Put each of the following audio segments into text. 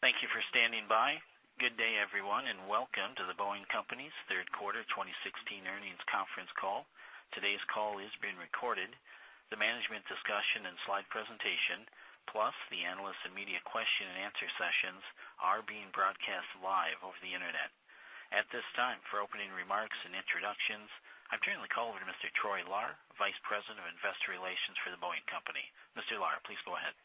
Thank you for standing by. Good day, everyone, and welcome to The Boeing Company's third quarter 2016 earnings conference call. Today's call is being recorded. The management discussion and slide presentation, plus the analyst and media question and answer sessions are being broadcast live over the internet. At this time, for opening remarks and introductions, I'm turning the call over to Mr. Troy Lahr, Vice President of Investor Relations for The Boeing Company. Mr. Lahr, please go ahead.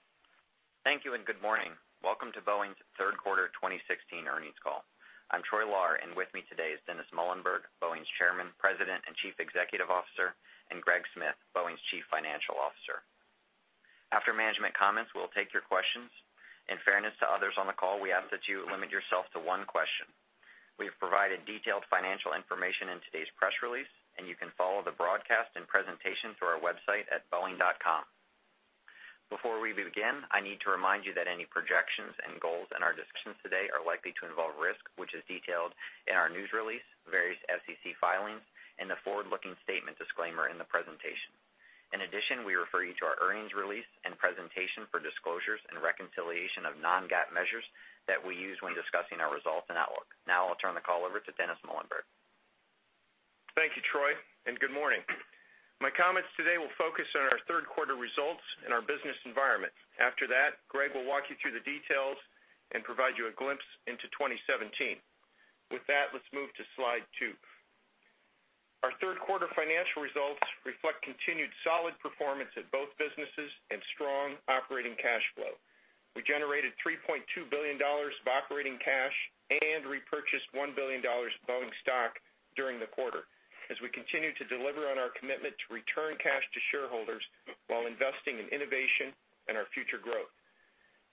Thank you. Good morning. Welcome to Boeing's third quarter 2016 earnings call. I'm Troy Lahr, with me today is Dennis Muilenburg, Boeing's Chairman, President, and Chief Executive Officer, Greg Smith, Boeing's Chief Financial Officer. After management comments, we'll take your questions. In fairness to others on the call, we ask that you limit yourself to one question. We have provided detailed financial information in today's press release, you can follow the broadcast and presentation through our website at boeing.com. Before we begin, I need to remind you that any projections and goals in our discussions today are likely to involve risk, which is detailed in our news release, various SEC filings, the forward-looking statement disclaimer in the presentation. In addition, we refer you to our earnings release and presentation for disclosures and reconciliation of non-GAAP measures that we use when discussing our results and outlook. Now, I'll turn the call over to Dennis Muilenburg. Thank you, Troy. Good morning. My comments today will focus on our third quarter results and our business environment. After that, Greg will walk you through the details and provide you a glimpse into 2017. With that, let's move to slide two. Our third quarter financial results reflect continued solid performance at both businesses and strong operating cash flow. We generated $3.2 billion of operating cash and repurchased $1 billion of Boeing stock during the quarter, as we continue to deliver on our commitment to return cash to shareholders while investing in innovation and our future growth.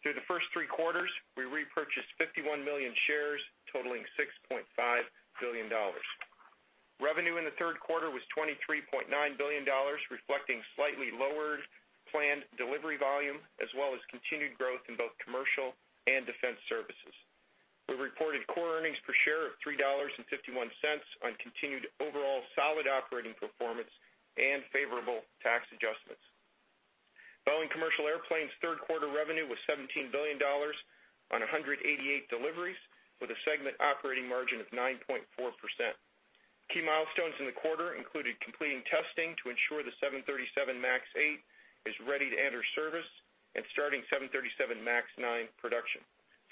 Through the first three quarters, we repurchased 51 million shares totaling $6.5 billion. Revenue in the third quarter was $23.9 billion, reflecting slightly lower planned delivery volume, as well as continued growth in both commercial and defense services. We reported core earnings per share of $3.51 on continued overall solid operating performance and favorable tax adjustments. Boeing Commercial Airplanes' third-quarter revenue was $17 billion on 188 deliveries with a segment operating margin of 9.4%. Key milestones in the quarter included completing testing to ensure the 737 MAX 8 is ready to enter service and starting 737 MAX 9 production.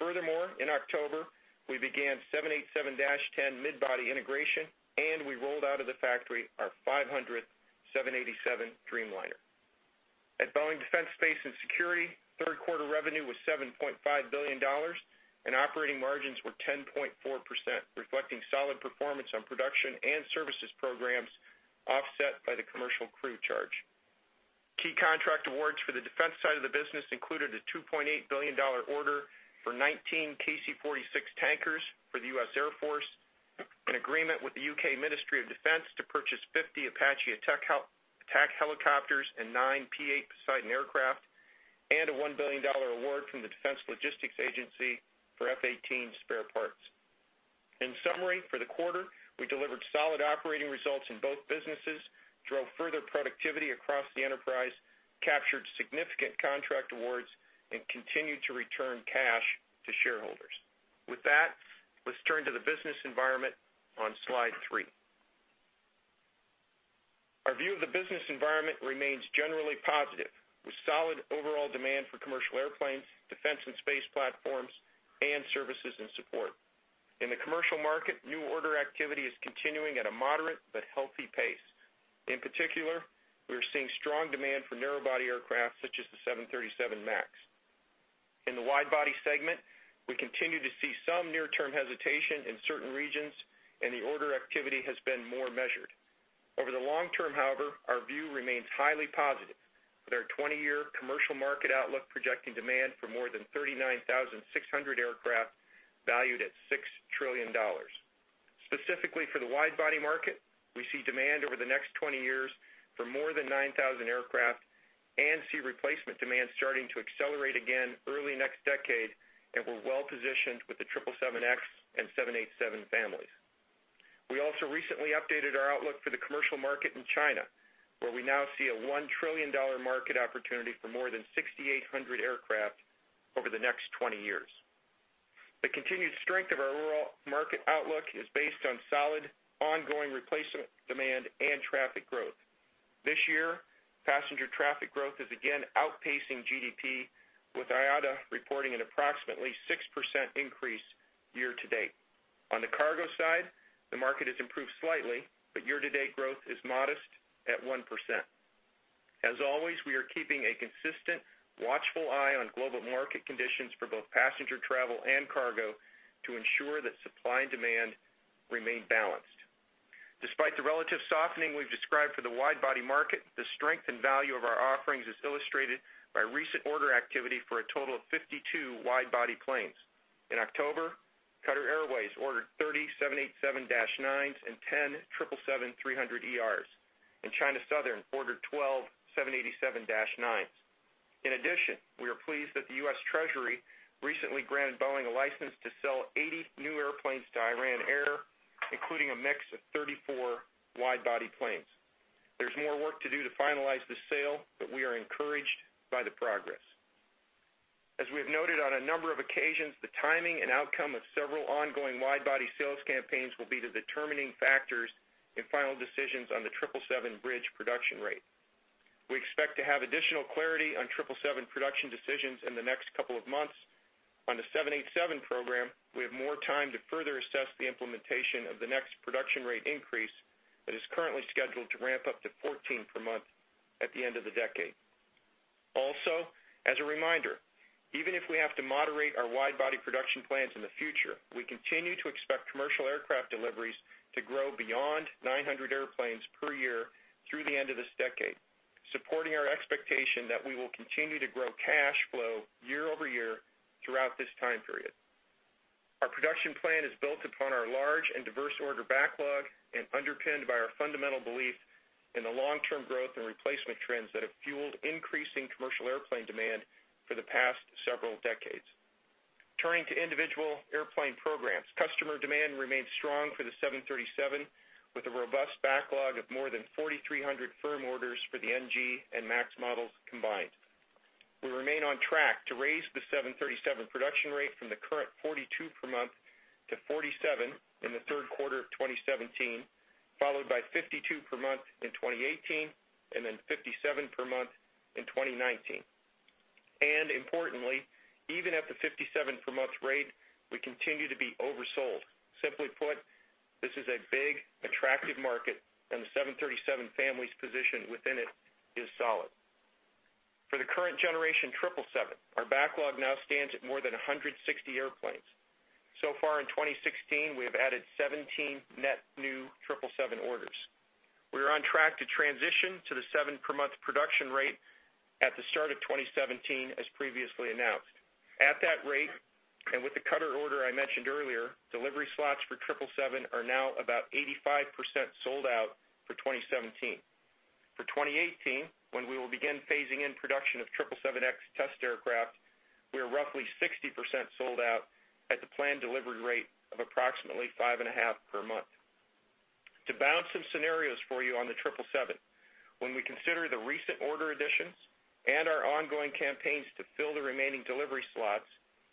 Furthermore, in October, we began 787-10 mid-body integration, and we rolled out of the factory our 500th 787 Dreamliner. At Boeing Defense, Space & Security, third-quarter revenue was $7.5 billion, and operating margins were 10.4%, reflecting solid performance on production and services programs offset by the Commercial Crew charge. Key contract awards for the defense side of the business included a $2.8 billion order for 19 KC-46 tankers for the U.S. Air Force, an agreement with the U.K. Ministry of Defence to purchase 50 Apache attack helicopters and nine P-8 Poseidon aircraft, and a $1 billion award from the Defense Logistics Agency for F-18 spare parts. In summary, for the quarter, we delivered solid operating results in both businesses, drove further productivity across the enterprise, captured significant contract awards, and continued to return cash to shareholders. With that, let's turn to the business environment on slide three. Our view of the business environment remains generally positive with solid overall demand for commercial airplanes, defense and space platforms, and services and support. In the commercial market, new order activity is continuing at a moderate but healthy pace. In particular, we are seeing strong demand for narrow-body aircraft, such as the 737 MAX. In the wide-body segment, we continue to see some near-term hesitation in certain regions, and the order activity has been more measured. Over the long term, however, our view remains highly positive, with our 20-year commercial market outlook projecting demand for more than 39,600 aircraft valued at $6 trillion. Specifically for the wide-body market, we see demand over the next 20 years for more than 9,000 aircraft and see replacement demand starting to accelerate again early next decade, and we're well-positioned with the 777X and 787 families. We also recently updated our outlook for the commercial market in China, where we now see a $1 trillion market opportunity for more than 6,800 aircraft over the next 20 years. The continued strength of our overall market outlook is based on solid, ongoing replacement demand and traffic growth. This year, passenger traffic growth is again outpacing GDP, with IATA reporting an approximately 6% increase year-to-date. On the cargo side, the market has improved slightly, but year-to-date growth is modest at 1%. As always, we are keeping a consistent, watchful eye on global market conditions for both passenger travel and cargo to ensure that supply and demand remain balanced. Despite the relative softening we've described for the wide-body market, the strength and value of our offerings is illustrated by recent order activity for a total of 52 wide-body planes. In October, Qatar Airways ordered 30 787-9s and 10 777-300ERs, and China Southern ordered 12 787-9s. In addition, we are pleased that the U.S. Treasury recently granted Boeing a license to sell 80 new airplanes to Iran Air, including a mix of 34 wide-body planes. There's more work to do to finalize this sale, but we are encouraged by the progress. As we have noted on a number of occasions, the timing and outcome of several ongoing wide-body sales campaigns will be the determining factors in final decisions on the 777 bridge production rate. We expect to have additional clarity on 777 production decisions in the next couple of months. On the 787 program, we have more time to further assess the implementation of the next production rate increase that is currently scheduled to ramp up to 14 per month at the end of the decade. As a reminder, even if we have to moderate our wide-body production plans in the future, we continue to expect commercial aircraft deliveries to grow beyond 900 airplanes per year through the end of this decade, supporting our expectation that we will continue to grow cash flow year-over-year throughout this time period. Our production plan is built upon our large and diverse order backlog and underpinned by our fundamental belief in the long-term growth and replacement trends that have fueled increasing commercial airplane demand for the past several decades. Turning to individual airplane programs, customer demand remains strong for the 737, with a robust backlog of more than 4,300 firm orders for the NG and MAX models combined. We remain on track to raise the 737 production rate from the current 42 per month to 47 in the third quarter of 2017, followed by 52 per month in 2018, 57 per month in 2019. Importantly, even at the 57 per month rate, we continue to be oversold. Simply put, this is a big, attractive market, and the 737 family's position within it is solid. For the current generation 777, our backlog now stands at more than 160 airplanes. So far in 2016, we have added 17 net new 777 orders. We are on track to transition to the seven-per-month production rate at the start of 2017, as previously announced. At that rate, and with the Qatar order I mentioned earlier, delivery slots for 777 are now about 85% sold out for 2017. For 2018, when we will begin phasing in production of 777X test aircraft, we are roughly 60% sold out at the planned delivery rate of approximately five and a half per month. To balance some scenarios for you on the 777, when we consider the recent order additions and our ongoing campaigns to fill the remaining delivery slots,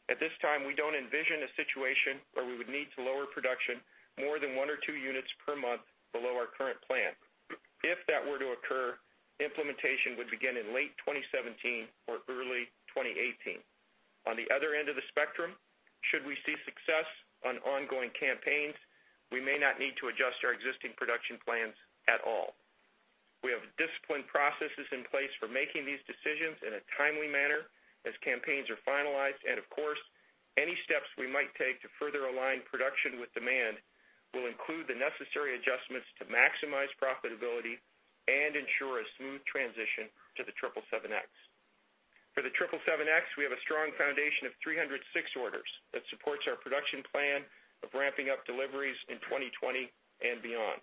at this time, we don't envision a situation where we would need to lower production more than one or two units per month below our current plan. If that were to occur, implementation would begin in late 2017 or early 2018. On the other end of the spectrum, should we see success on ongoing campaigns, we may not need to adjust our existing production plans at all. We have disciplined processes in place for making these decisions in a timely manner as campaigns are finalized. Of course, any steps we might take to further align production with demand will include the necessary adjustments to maximize profitability and ensure a smooth transition to the 777X. For the 777X, we have a strong foundation of 306 orders that supports our production plan of ramping up deliveries in 2020 and beyond.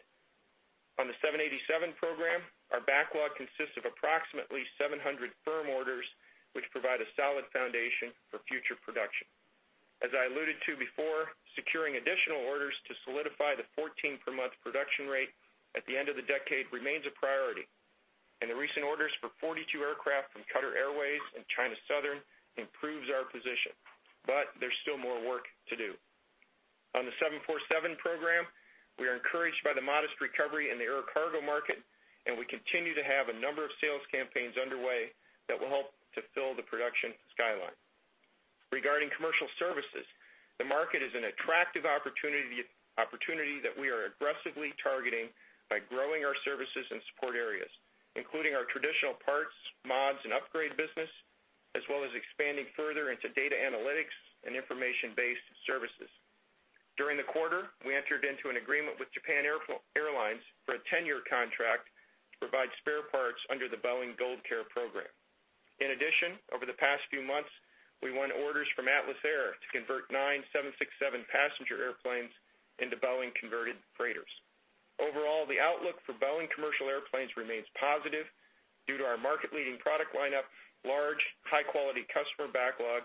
On the 787 program, our backlog consists of approximately 700 firm orders, which provide a solid foundation for future production. As I alluded to before, securing additional orders to solidify the 14-per-month production rate at the end of the decade remains a priority, and the recent orders for 42 aircraft from Qatar Airways and China Southern improves our position. There's still more work to do. On the 747 program, we are encouraged by the modest recovery in the air cargo market. We continue to have a number of sales campaigns underway that will help to fill the production skyline. Regarding commercial services, the market is an attractive opportunity that we are aggressively targeting by growing our services and support areas, including our traditional parts, mods, and upgrade business, as well as expanding further into data analytics and information-based services. During the quarter, we entered into an agreement with Japan Airlines for a 10-year contract to provide spare parts under the Boeing GoldCare program. In addition, over the past few months, we won orders from Atlas Air to convert nine 767 passenger airplanes into Boeing converted freighters. Overall, the outlook for Boeing Commercial Airplanes remains positive due to our market-leading product lineup, large, high-quality customer backlog,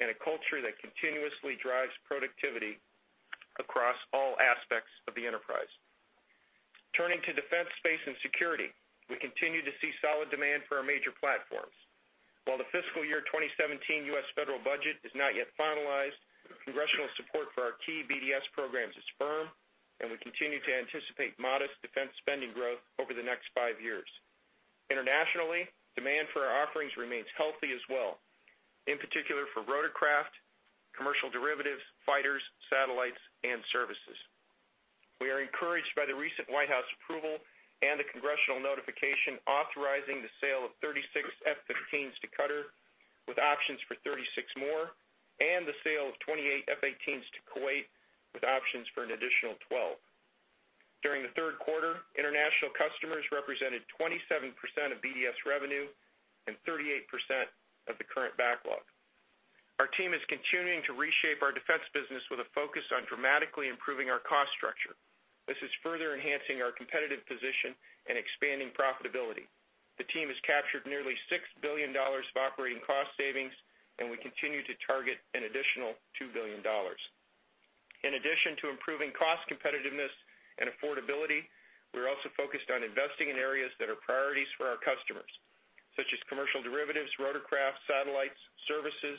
and a culture that continuously drives productivity across all aspects of the enterprise. Turning to Defense, Space & Security, we continue to see solid demand for our major platforms. While the FY 2017 U.S. federal budget is not yet finalized, congressional support for our key BDS programs is firm, and we continue to anticipate modest defense spending growth over the next five years. Internationally, demand for our offerings remains healthy as well, in particular for rotorcraft, commercial derivatives, fighters, satellites, and services. We are encouraged by the recent White House approval and the congressional notification authorizing the sale of 36 F-15s to Qatar, with options for 36 more, and the sale of 28 F-18s to Kuwait, with options for an additional 12. During the third quarter, international customers represented 27% of BDS revenue and 38% of the current backlog. Our team is continuing to reshape our defense business with a focus on dramatically improving our cost structure. This is further enhancing our competitive position and expanding profitability. The team has captured nearly $6 billion of operating cost savings. We continue to target an additional $2 billion. In addition to improving cost competitiveness and affordability, we're also focused on investing in areas that are priorities for our customers, such as commercial derivatives, rotorcraft, satellites, services,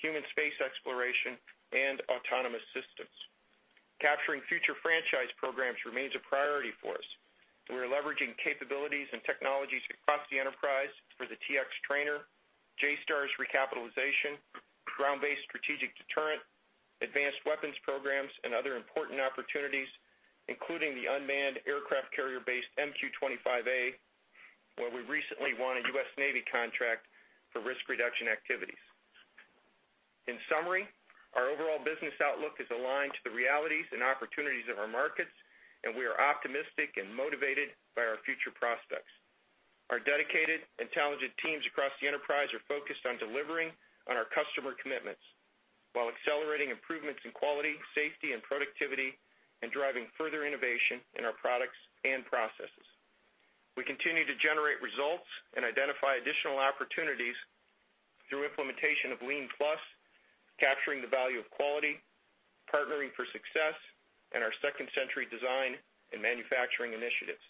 human space exploration, and autonomous systems. Capturing future franchise programs remains a priority for us, we are leveraging capabilities and technologies across the enterprise for the T-X trainer, JSTARS recapitalization, Ground Based Strategic Deterrent, advanced weapons programs, and other important opportunities, including the unmanned aircraft carrier-based MQ-25A, where we recently won a U.S. Navy contract for risk reduction activities. In summary, our overall business outlook is aligned to the realities and opportunities of our markets, we are optimistic and motivated by our future prospects. Our dedicated and talented teams across the enterprise are focused on delivering on our customer commitments while accelerating improvements in quality, safety, and productivity and driving further innovation in our products and processes. We continue to generate results and identify additional opportunities through implementation of Lean+, capturing the value of quality, Partnering for Success, and our second-century design and manufacturing initiatives.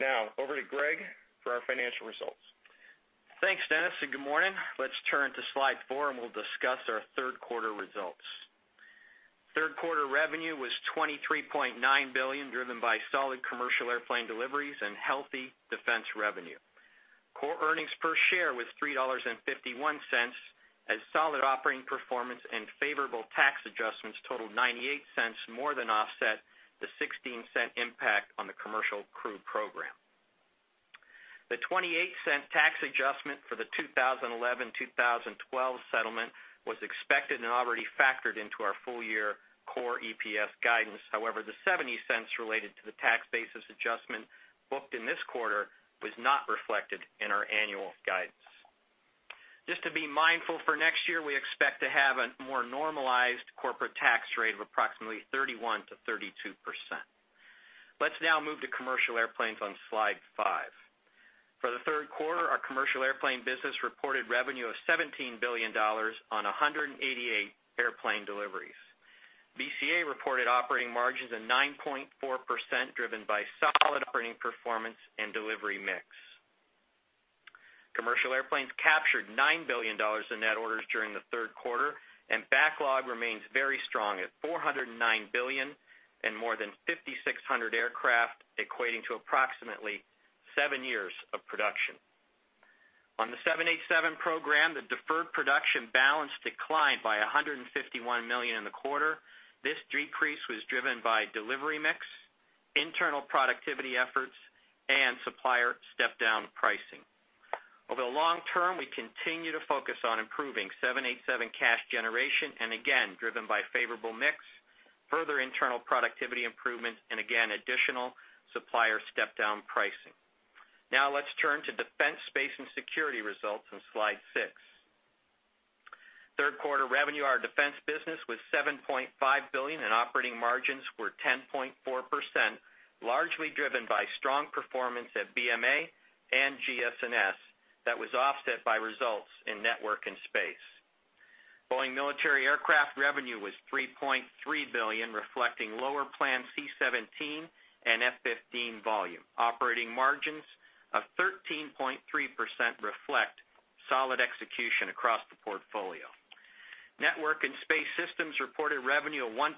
Now, over to Greg for our financial results. Thanks, Dennis, and good morning. Let's turn to slide four, we'll discuss our third quarter results. Third quarter revenue was $23.9 billion, driven by solid commercial airplane deliveries and healthy defense revenue. Core earnings per share was $3.51, as solid operating performance and favorable tax adjustments totaled $0.98, more than offset the $0.16 impact on the Commercial Crew program. The $0.28 tax adjustment for the 2011-2012 settlement was expected and already factored into our full-year core EPS guidance. However, the $0.70 related to the tax basis adjustment booked in this quarter was not reflected in our annual guidance. Just to be mindful, for next year, we expect to have a more normalized corporate tax rate of approximately 31%-32%. Let's now move to commercial airplanes on slide five. For the third quarter, our commercial airplane business reported revenue of $17 billion on 188 airplane deliveries. BCA reported operating margins of 9.4%, driven by solid operating performance and delivery mix. Commercial airplanes captured $9 billion in net orders during the third quarter, backlog remains very strong at $409 billion and more than 5,600 aircraft, equating to approximately seven years of production. On the 787 program, the deferred production balance declined by $151 million in the quarter. This decrease was driven by delivery mix, internal productivity efforts, and supplier step-down pricing. Over the long term, we continue to focus on improving 787 cash generation, again, driven by favorable mix, further internal productivity improvements, and again, additional supplier step-down pricing. Now let's turn to Defense, Space & Security results on slide six. Third quarter revenue, our defense business was $7.5 billion, operating margins were 10.4%, largely driven by strong performance at BMA and GS&S that was offset by results in Network and Space Systems. Boeing Military Aircraft revenue was $3.3 billion, reflecting lower planned C-17 and F-15 volume. Operating margins of 13.3% reflect solid execution across the portfolio. Network and Space Systems reported revenue of $1.7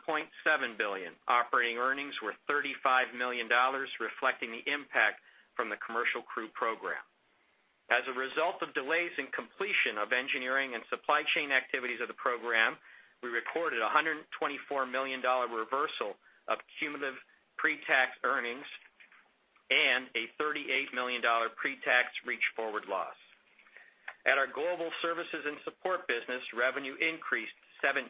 billion. Operating earnings were $35 million, reflecting the impact from the Commercial Crew program. As a result of delays in completion of engineering and supply chain activities of the program, we recorded $124 million reversal of cumulative pre-tax earnings and a $38 million pre-tax reach forward loss. At our Global Services & Support business, revenue increased 17%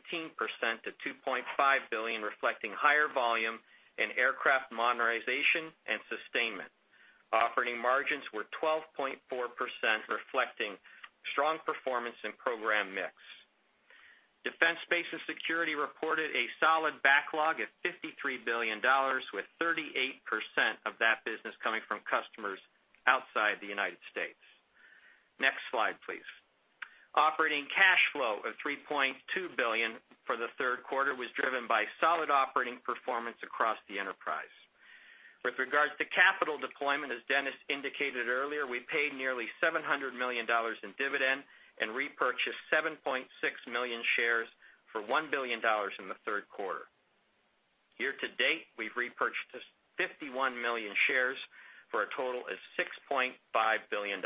to $2.5 billion, reflecting higher volume in aircraft modernization and sustainment. Operating margins were 12.4%, reflecting strong performance in program mix. Defense, Space & Security reported a solid backlog of $53 billion, with 38% of that business coming from customers outside the U.S. Next slide, please. Operating cash flow of $3.2 billion for the third quarter was driven by solid operating performance across the enterprise. With regards to capital deployment, as Dennis indicated earlier, we paid nearly $700 million in dividend and repurchased 7.6 million shares for $1 billion in the third quarter. Year to date, we've repurchased 51 million shares for a total of $6.5 billion.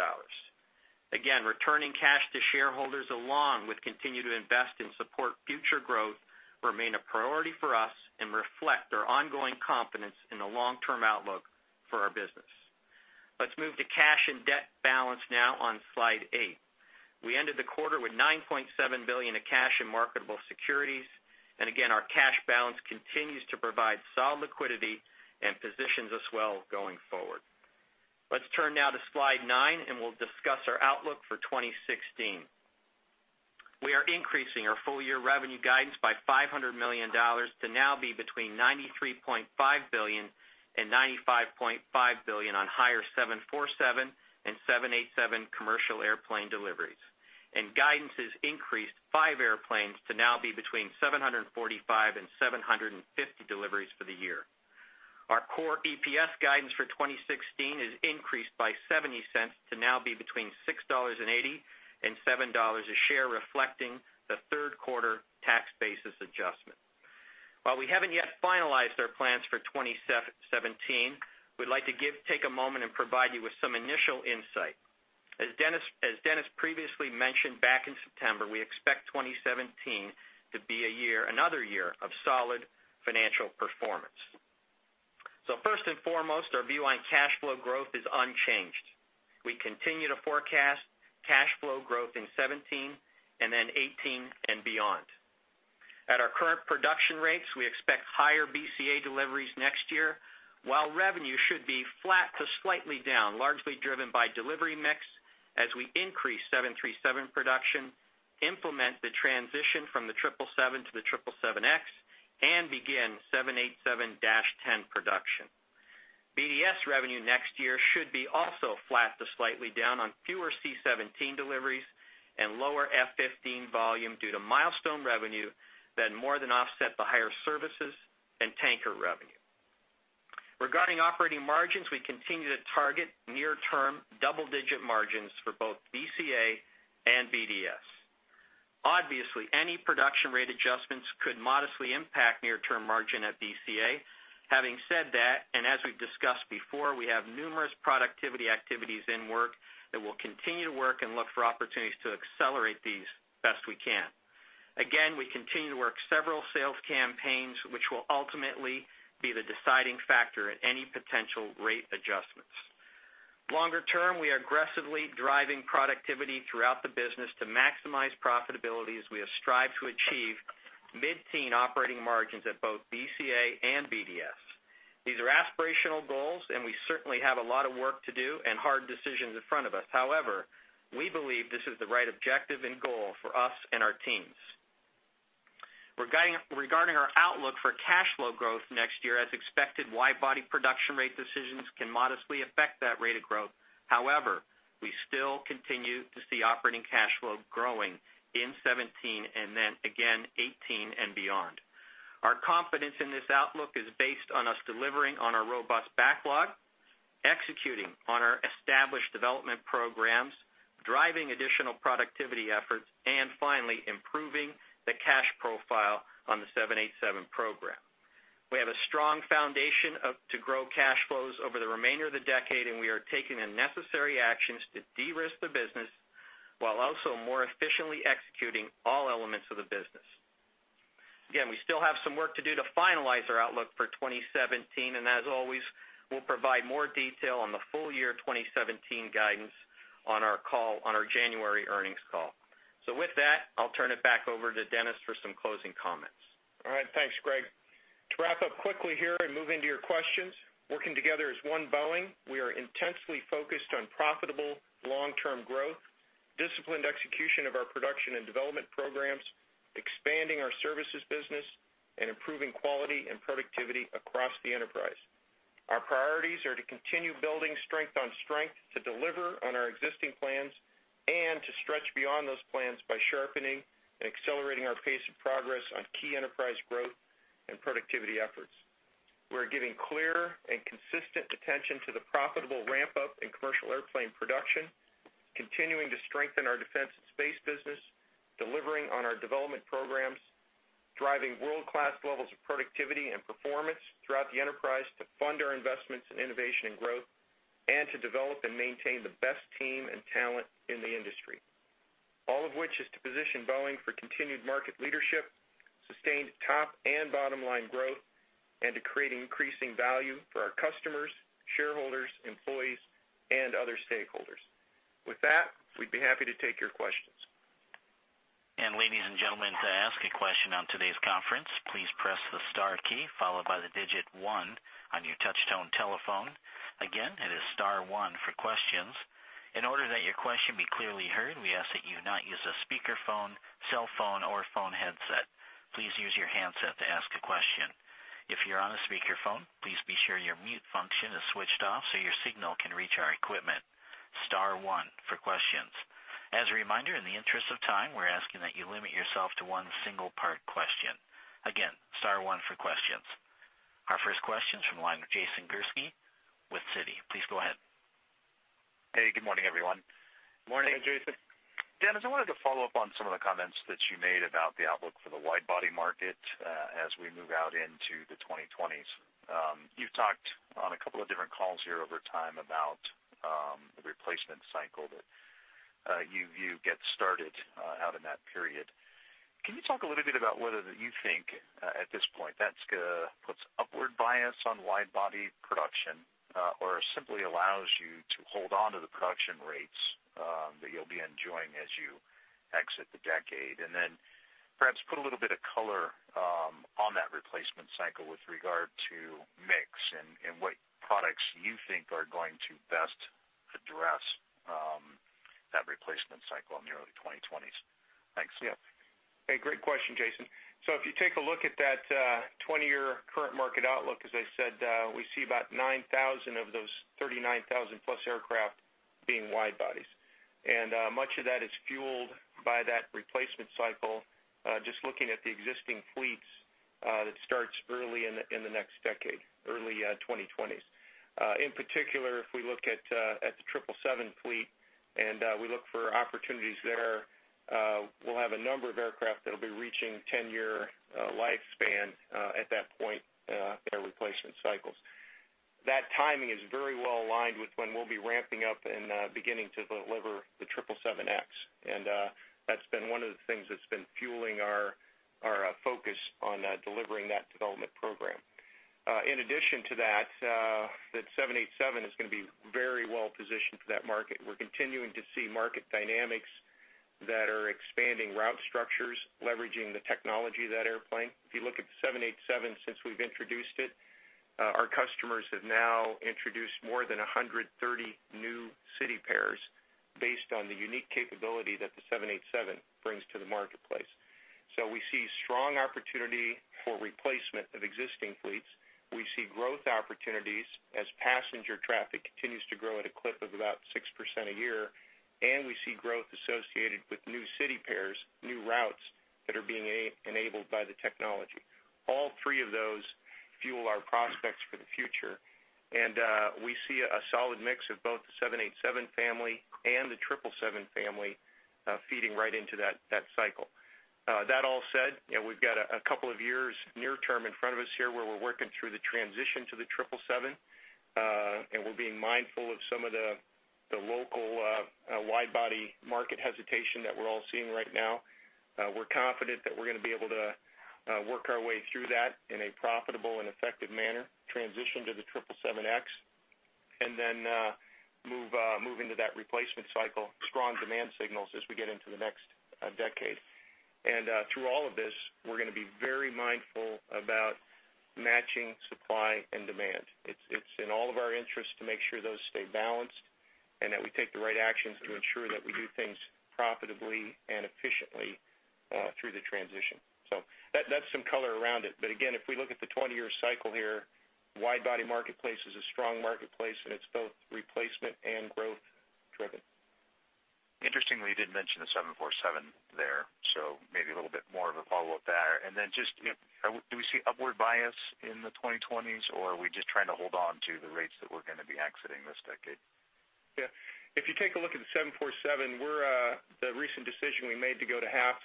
Again, returning cash to shareholders, along with continuing to invest and support future growth, remain a priority for us and reflect our ongoing confidence in the long-term outlook for our business. Let's move to cash and debt balance now on slide eight. We ended the quarter with $9.7 billion of cash in marketable securities. Again, our cash balance continues to provide solid liquidity and positions us well going forward. Let's turn now to slide nine, we'll discuss our outlook for 2016. We are increasing our full-year revenue guidance by $500 million to now be between $93.5 billion and $95.5 billion on higher 747 and 787 commercial airplane deliveries. Guidance has increased five airplanes to now be between 745 and 750 deliveries for the year. Our core EPS guidance for 2016 is increased by $0.70 to now be between $6.80 and $7 a share, reflecting the third quarter tax basis adjustment. While we haven't yet finalized our plans for 2017, we'd like to take a moment and provide you with some initial insight. As Dennis previously mentioned back in September, we expect 2017 to be another year of solid financial performance. First and foremost, our view on cash flow growth is unchanged. We continue to forecast cash flow growth in 2017 and then 2018 and beyond. At our current production rates, we expect higher BCA deliveries next year, while revenue should be flat to slightly down, largely driven by delivery mix as we increase 737 production, implement the transition from the 777 to the 777X, and begin 787-10 production. BDS revenue next year should be also flat to slightly down on fewer C-17 deliveries and lower F-15 volume due to milestone revenue that more than offset the higher services and tanker revenue. Regarding operating margins, we continue to target near-term double-digit margins for both BCA and BDS. Obviously, any production rate adjustments could modestly impact near-term margin at BCA. Having said that, as we've discussed before, we have numerous productivity activities in work that will continue to work and look for opportunities to accelerate these best we can. Again, we continue to work several sales campaigns, which will ultimately be the deciding factor in any potential rate adjustments. Longer term, we are aggressively driving productivity throughout the business to maximize profitability, as we strive to achieve mid-teen operating margins at both BCA and BDS. These are aspirational goals, we certainly have a lot of work to do and hard decisions in front of us. However, we believe this is the right objective and goal for us and our teams. Regarding our outlook for cash flow growth next year as expected, wide-body production rate decisions can modestly affect that rate of growth. However, we still continue to see operating cash flow growing in 2017 and then again 2018 and beyond. Our confidence in this outlook is based on us delivering on our robust backlog, executing on our established development programs, driving additional productivity efforts, and finally, improving the cash profile on the 787 program. We have a strong foundation to grow cash flows over the remainder of the decade, and we are taking the necessary actions to de-risk the business while also more efficiently executing all elements of the business. Again, we still have some work to do to finalize our outlook for 2017, and as always, we'll provide more detail on the full year 2017 guidance on our January earnings call. With that, I'll turn it back over to Dennis for some closing comments. All right. Thanks, Greg. To wrap up quickly here and move into your questions, working together as one Boeing, we are intensely focused on profitable long-term growth, disciplined execution of our production and development programs, expanding our services business, and improving quality and productivity across the enterprise. Our priorities are to continue building strength on strength, to deliver on our existing plans, and to stretch beyond those plans by sharpening and accelerating our pace of progress on key enterprise growth and productivity efforts. We're giving clear and consistent attention to the profitable ramp-up in commercial airplane production, continuing to strengthen our defense and space business, delivering on our development programs, driving world-class levels of productivity and performance throughout the enterprise to fund our investments in innovation and growth, and to develop and maintain the best team and talent in the industry. All of which is to position Boeing for continued market leadership, sustained top and bottom-line growth, and to create increasing value for our customers, shareholders, employees, and other stakeholders. With that, we'd be happy to take your questions. Ladies and gentlemen, to ask a question on today's conference, please press the star key followed by the digit one on your touch-tone telephone. Again, it is star one for questions. In order that your question be clearly heard, we ask that you not use a speakerphone, cell phone, or phone headset. Please use your handset to ask a question. If you're on a speakerphone, please be sure your mute function is switched off so your signal can reach our equipment. Star one for questions. As a reminder, in the interest of time, we're asking that you limit yourself to one single part question. Again, star one for questions. Our first question's from the line with Jason Gursky with Citi. Please go ahead. Hey, good morning, everyone. Morning, Jason. Dennis, I wanted to follow up on some of the comments that you made about the outlook for the wide-body market as we move out into the 2020s. You've talked on a couple of different calls here over time about, the replacement cycle that you view gets started out in that period. Can you talk a little bit about whether you think, at this point, that puts upward bias on wide-body production, or simply allows you to hold onto the production rates that you'll be enjoying as you exit the decade? Then perhaps put a little bit of color on that replacement cycle with regard to mix and what products you think are going to best address that replacement cycle in the early 2020s. Yeah. Great question, Jason. If you take a look at that 20-year current market outlook, as I said, we see about 9,000 of those 39,000-plus aircraft being wide bodies. Much of that is fueled by that replacement cycle, just looking at the existing fleets, that starts early in the next decade, early 2020s. In particular, if we look at the 777 fleet and we look for opportunities there, we'll have a number of aircraft that'll be reaching 10-year lifespan at that point, their replacement cycles. That timing is very well aligned with when we'll be ramping up and beginning to deliver the 777X. That's been one of the things that's been fueling our focus on delivering that development program. In addition to that, the 787 is going to be very well positioned for that market. We're continuing to see market dynamics that are expanding route structures, leveraging the technology of that airplane. If you look at the 787 since we've introduced it, our customers have now introduced more than 130 new city pairs based on the unique capability that the 787 brings to the marketplace. We see strong opportunity for replacement of existing fleets. We see growth opportunities as passenger traffic continues to grow at a clip of about 6% a year, we see growth associated with new city pairs, new routes that are being enabled by the technology. All three of those fuel our prospects for the future, we see a solid mix of both the 787 family and the 777 family feeding right into that cycle. That all said, we've got a couple of years near term in front of us here where we're working through the transition to the 777, we're being mindful of some of the local wide body market hesitation that we're all seeing right now. We're confident that we're going to be able to work our way through that in a profitable and effective manner, transition to the 777X, move into that replacement cycle, strong demand signals as we get into the next decade. Through all of this, we're going to be very mindful about matching supply and demand. It's in all of our interests to make sure those stay balanced and that we take the right actions to ensure that we do things profitably and efficiently through the transition. That's some color around it. Again, if we look at the 20-year cycle here, wide body marketplace is a strong marketplace, and it's both replacement and growth driven. Interestingly, you did mention the 747 there, maybe a little bit more of a follow-up there. Just, do we see upward bias in the 2020s, or are we just trying to hold on to the rates that we're going to be exiting this decade? Yeah. If you take a look at the 747, the recent decision we made to go to half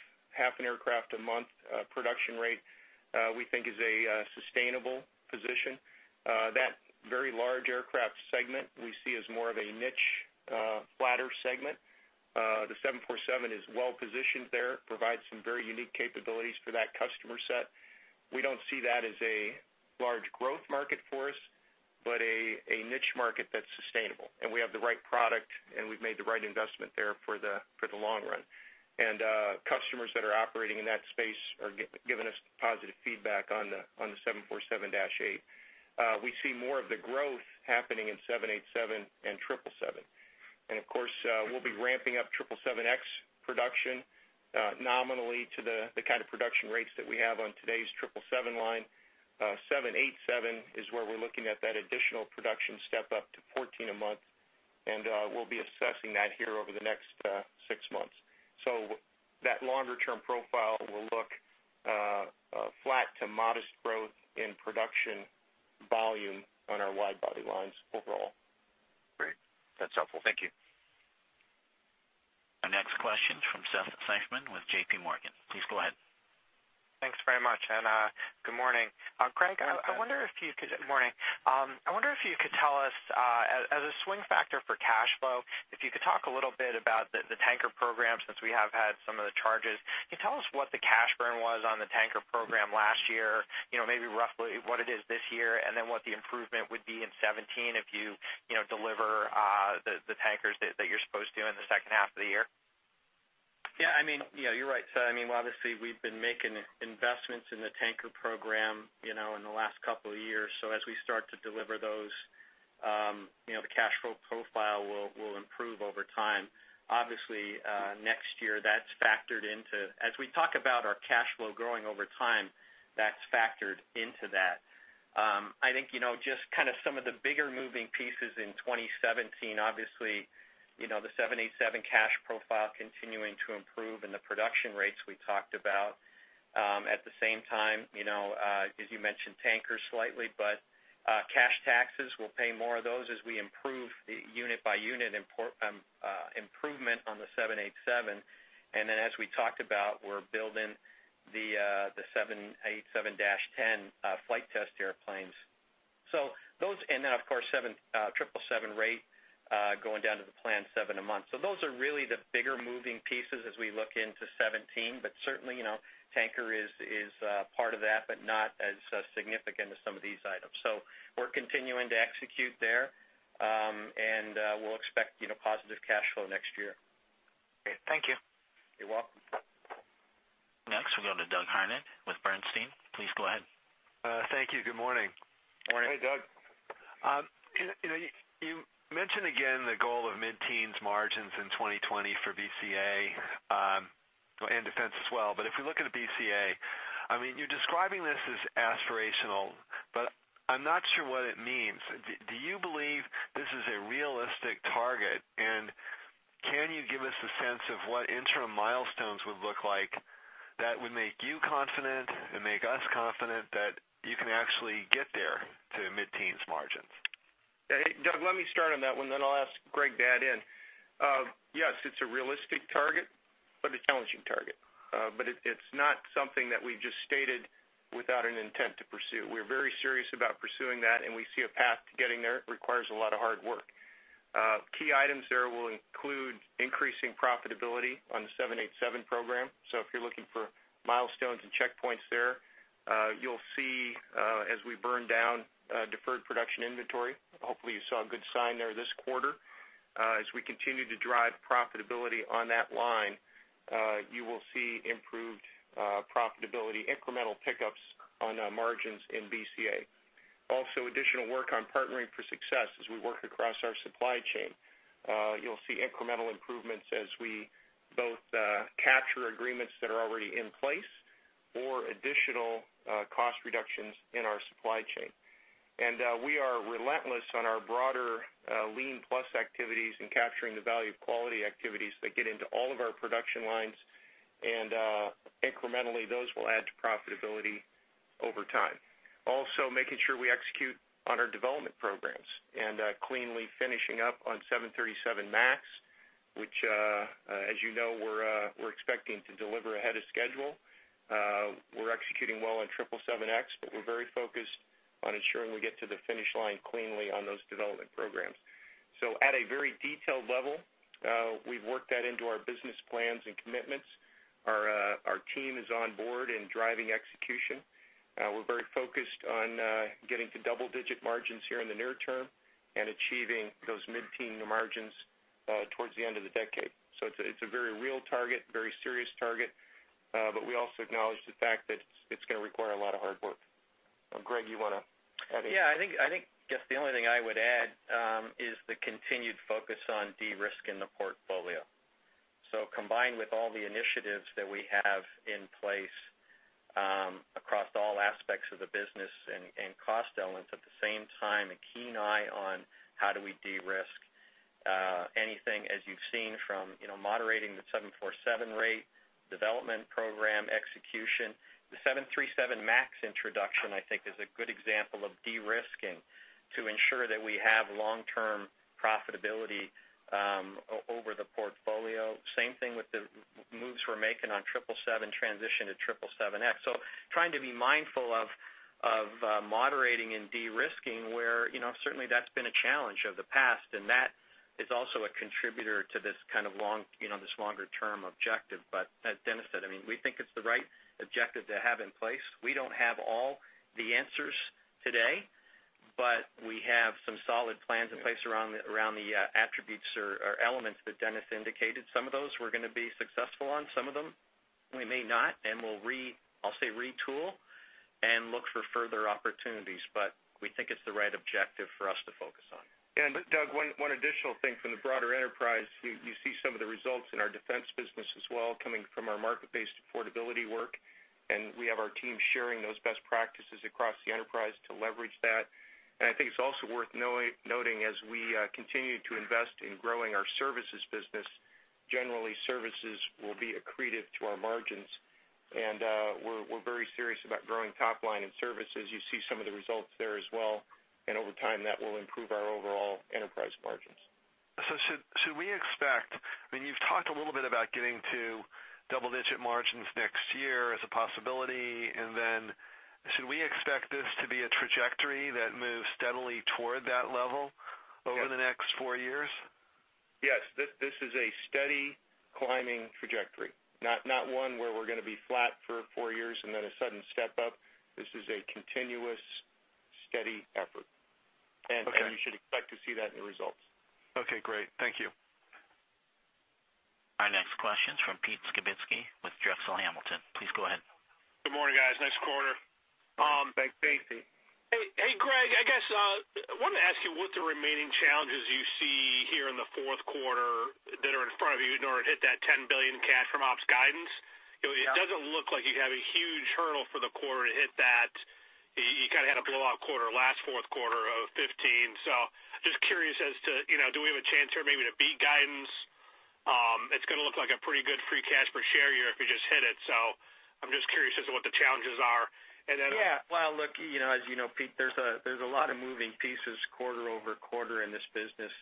an aircraft a month production rate, we think is a sustainable position. That very large aircraft segment, we see as more of a niche, flatter segment. The 747 is well positioned there, provides some very unique capabilities for that customer set. We don't see that as a large growth market for us, but a niche market that's sustainable. We have the right product, and we've made the right investment there for the long run. Customers that are operating in that space are giving us positive feedback on the 747-8. We see more of the growth happening in 787 and 777. Of course, we'll be ramping up 777X production nominally to the kind of production rates that we have on today's 777 line. 787 is where we're looking at that additional production step up to 14 a month, and we'll be assessing that here over the next six months. That longer-term profile will look flat to modest growth in production volume on our wide body lines overall. Great. That's helpful. Thank you. Our next question from Seth Seifman with JPMorgan. Please go ahead. Thanks very much, good morning. Good morning. Greg, I wonder if you could tell us, as a swing factor for cash flow, if you could talk a little bit about the tanker program since we have had some of the charges. Can you tell us what the cash burn was on the tanker program last year? Maybe roughly what it is this year, then what the improvement would be in 2017 if you deliver the tankers that you're supposed to in the second half of the year. Yeah, you're right. Obviously, we've been making investments in the tanker program in the last couple of years. As we start to deliver those, the cash flow profile will improve over time. Obviously, next year, as we talk about our cash flow growing over time, that's factored into that. I think just some of the bigger moving pieces in 2017, obviously, the 787 cash profile continuing to improve and the production rates we talked about. At the same time, as you mentioned, tankers slightly, cash taxes, we'll pay more of those as we improve the unit by unit improvement on the 787. As we talked about, we're building the 787-10 flight test airplanes. Of course, 777 rate going down to the planned seven a month. Those are really the bigger moving pieces as we look into 2017, but certainly, tanker is part of that, but not as significant as some of these items. We're continuing to execute there, and we'll expect positive cash flow next year. Great. Thank you. You're welcome. Harned with Bernstein, please go ahead. Thank you. Good morning. Morning. Hey, Doug. You mentioned again the goal of mid-teens margins in 2020 for BCA, and defense as well. If we look at a BCA, you're describing this as aspirational, I'm not sure what it means. Do you believe this is a realistic target? Can you give us a sense of what interim milestones would look like that would make you confident and make us confident that you can actually get there to mid-teens margins? Hey, Doug, let me start on that one, then I'll ask Greg to add in. It's a realistic target, but a challenging target. It's not something that we just stated without an intent to pursue. We're very serious about pursuing that, and we see a path to getting there. It requires a lot of hard work. Key items there will include increasing profitability on the 787 program. If you're looking for milestones and checkpoints there, you'll see, as we burn down deferred production inventory, hopefully you saw a good sign there this quarter. As we continue to drive profitability on that line, you will see improved profitability, incremental pickups on margins in BCA. Also additional work on Partnering for Success as we work across our supply chain. You'll see incremental improvements as we both capture agreements that are already in place or additional cost reductions in our supply chain. We are relentless on our broader Lean+ activities and capturing the value of quality activities that get into all of our production lines, and incrementally, those will add to profitability over time. Also, making sure we execute on our development programs and cleanly finishing up on 737 MAX, which, as you know, we're expecting to deliver ahead of schedule. We're executing well on 777X, but we're very focused on ensuring we get to the finish line cleanly on those development programs. At a very detailed level, we've worked that into our business plans and commitments. Our team is on board and driving execution. We're very focused on getting to double-digit margins here in the near term and achieving those mid-teen margins towards the end of the decade. It's a very real target, very serious target, but we also acknowledge the fact that it's going to require a lot of hard work. Greg, you want to add anything? The only thing I would add is the continued focus on de-risk in the portfolio. Combined with all the initiatives that we have in place, across all aspects of the business and cost elements, at the same time, a keen eye on how do we de-risk anything, as you've seen from moderating the 747 rate, development program execution. The 737 MAX introduction, I think, is a good example of de-risking to ensure that we have long-term profitability over the portfolio. Same thing with the moves we're making on 777 transition to 777X. Trying to be mindful of moderating and de-risking where certainly that's been a challenge of the past, and that is also a contributor to this kind of longer term objective. As Dennis said, we think it's the right objective to have in place. We don't have all the answers today, but we have some solid plans in place around the attributes or elements that Dennis indicated. Some of those we're going to be successful on, some of them we may not, and we'll, I'll say, retool and look for further opportunities. We think it's the right objective for us to focus on. Doug, one additional thing from the broader enterprise, you see some of the results in our defense business as well, coming from our market-based affordability work, and we have our team sharing those best practices across the enterprise to leverage that. I think it's also worth noting, as we continue to invest in growing our services business, generally, services will be accretive to our margins. We're very serious about growing top line in services. You see some of the results there as well, and over time, that will improve our overall enterprise margins. Should we expect, you've talked a little bit about getting to double-digit margins next year as a possibility, should we expect this to be a trajectory that moves steadily toward that level over the next 4 years? Yes. This is a steady climbing trajectory. Not one where we're going to be flat for 4 years, a sudden step up. This is a continuous, steady effort. Okay. You should expect to see that in the results. Okay, great. Thank you. Our next question's from Pete Skibitski with Drexel Hamilton. Please go ahead. Good morning, guys. Nice quarter. Thanks, Pete. Thanks. Hey, Greg, I guess, I wanted to ask you what the remaining challenges you see here in the fourth quarter that are in front of you in order to hit that $10 billion cash from ops guidance. Yeah. It doesn't look like you have a huge hurdle for the quarter to hit that. You kind of had a blowout quarter last fourth quarter of 2015, just curious as to, do we have a chance here maybe to beat guidance? It's going to look like a pretty good free cash per share year if you just hit it. I'm just curious as to what the challenges are. Yeah. Well, look, as you know, Pete, there's a lot of moving pieces quarter-over-quarter in this business,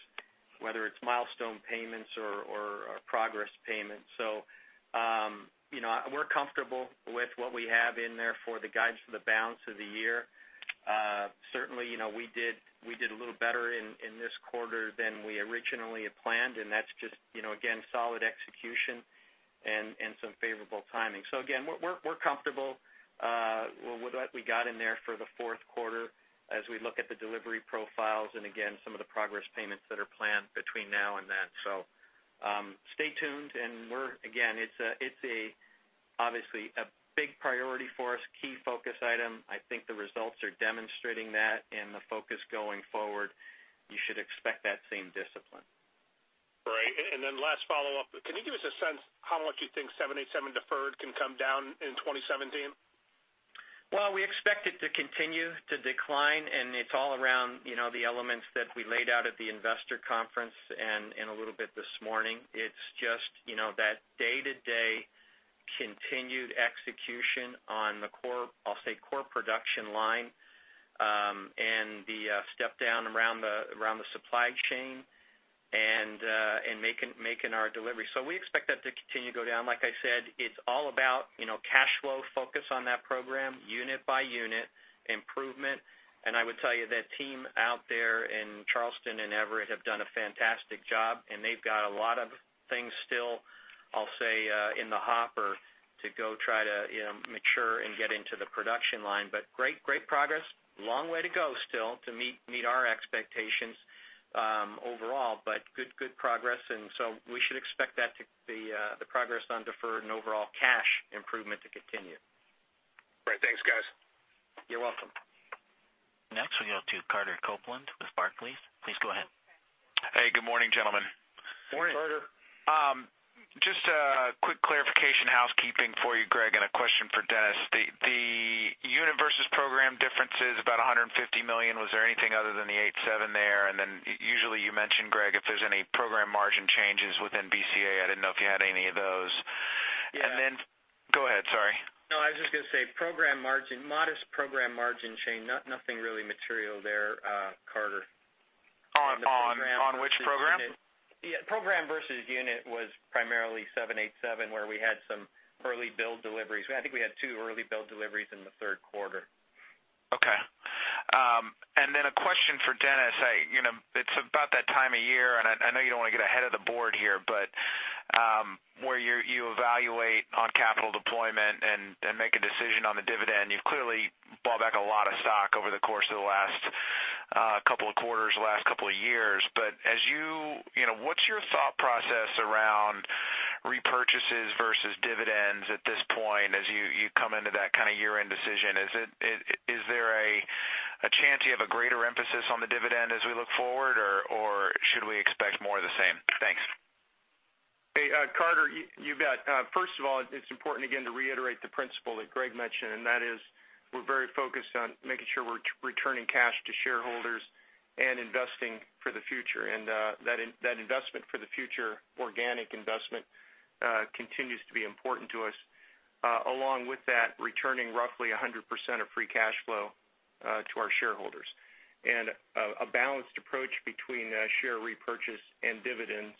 whether it's milestone payments or progress payments. We're comfortable with what we have in there for the guidance for the balance of the year. Certainly, we did a little better in this quarter than we originally had planned, and that's just, again, solid execution and some favorable timing. Again, we're comfortable Well, what we got in there for the fourth quarter, as we look at the delivery profiles, and again, some of the progress payments that are planned between now and then. Stay tuned, and again, it's obviously a big priority for us, key focus item. I think the results are demonstrating that and the focus going forward, you should expect that same discipline. Right. Last follow-up, can you give us a sense how much you think 787 deferred can come down in 2017? We expect it to continue to decline, it's all around the elements that we laid out at the investor conference and a little bit this morning. It's just that day-to-day continued execution on, I'll say, core production line, the step down around the supply chain and making our delivery. We expect that to continue to go down. Like I said, it's all about cash flow focus on that program, unit by unit improvement. I would tell you, that team out there in Charleston and Everett have done a fantastic job, they've got a lot of things still, I'll say, in the hopper to go try to mature and get into the production line. Great progress. Long way to go still to meet our expectations overall, but good progress. We should expect the progress on deferred and overall cash improvement to continue. Great. Thanks, guys. You're welcome. Next, we go to Carter Copeland with Barclays. Please go ahead. Hey, good morning, gentlemen. Morning. Carter. Just a quick clarification, housekeeping for you, Greg, and a question for Dennis. The unit versus program difference is about $150 million. Was there anything other than the 787 there? Usually you mention, Greg, if there's any program margin changes within BCA, I didn't know if you had any of those. Yeah. Go ahead, sorry. No, I was just going to say modest program margin change, nothing really material there, Carter. On which program? Yeah. Program versus unit was primarily 787, where we had some early build deliveries. I think we had two early build deliveries in the third quarter. Okay. Then a question for Dennis. It's about that time of year, and I know you don't want to get ahead of the board here, but where you evaluate on capital deployment and make a decision on the dividend. You've clearly bought back a lot of stock over the course of the last couple of quarters, last couple of years. What's your thought process around repurchases versus dividends at this point as you come into that kind of year-end decision? Is there a chance you have a greater emphasis on the dividend as we look forward, or should we expect more of the same? Thanks. Hey, Carter, you bet. First of all, it's important again to reiterate the principle that Greg mentioned, and that is we're very focused on making sure we're returning cash to shareholders and investing for the future. That investment for the future, organic investment, continues to be important to us, along with that, returning roughly 100% of free cash flow to our shareholders. A balanced approach between share repurchase and dividends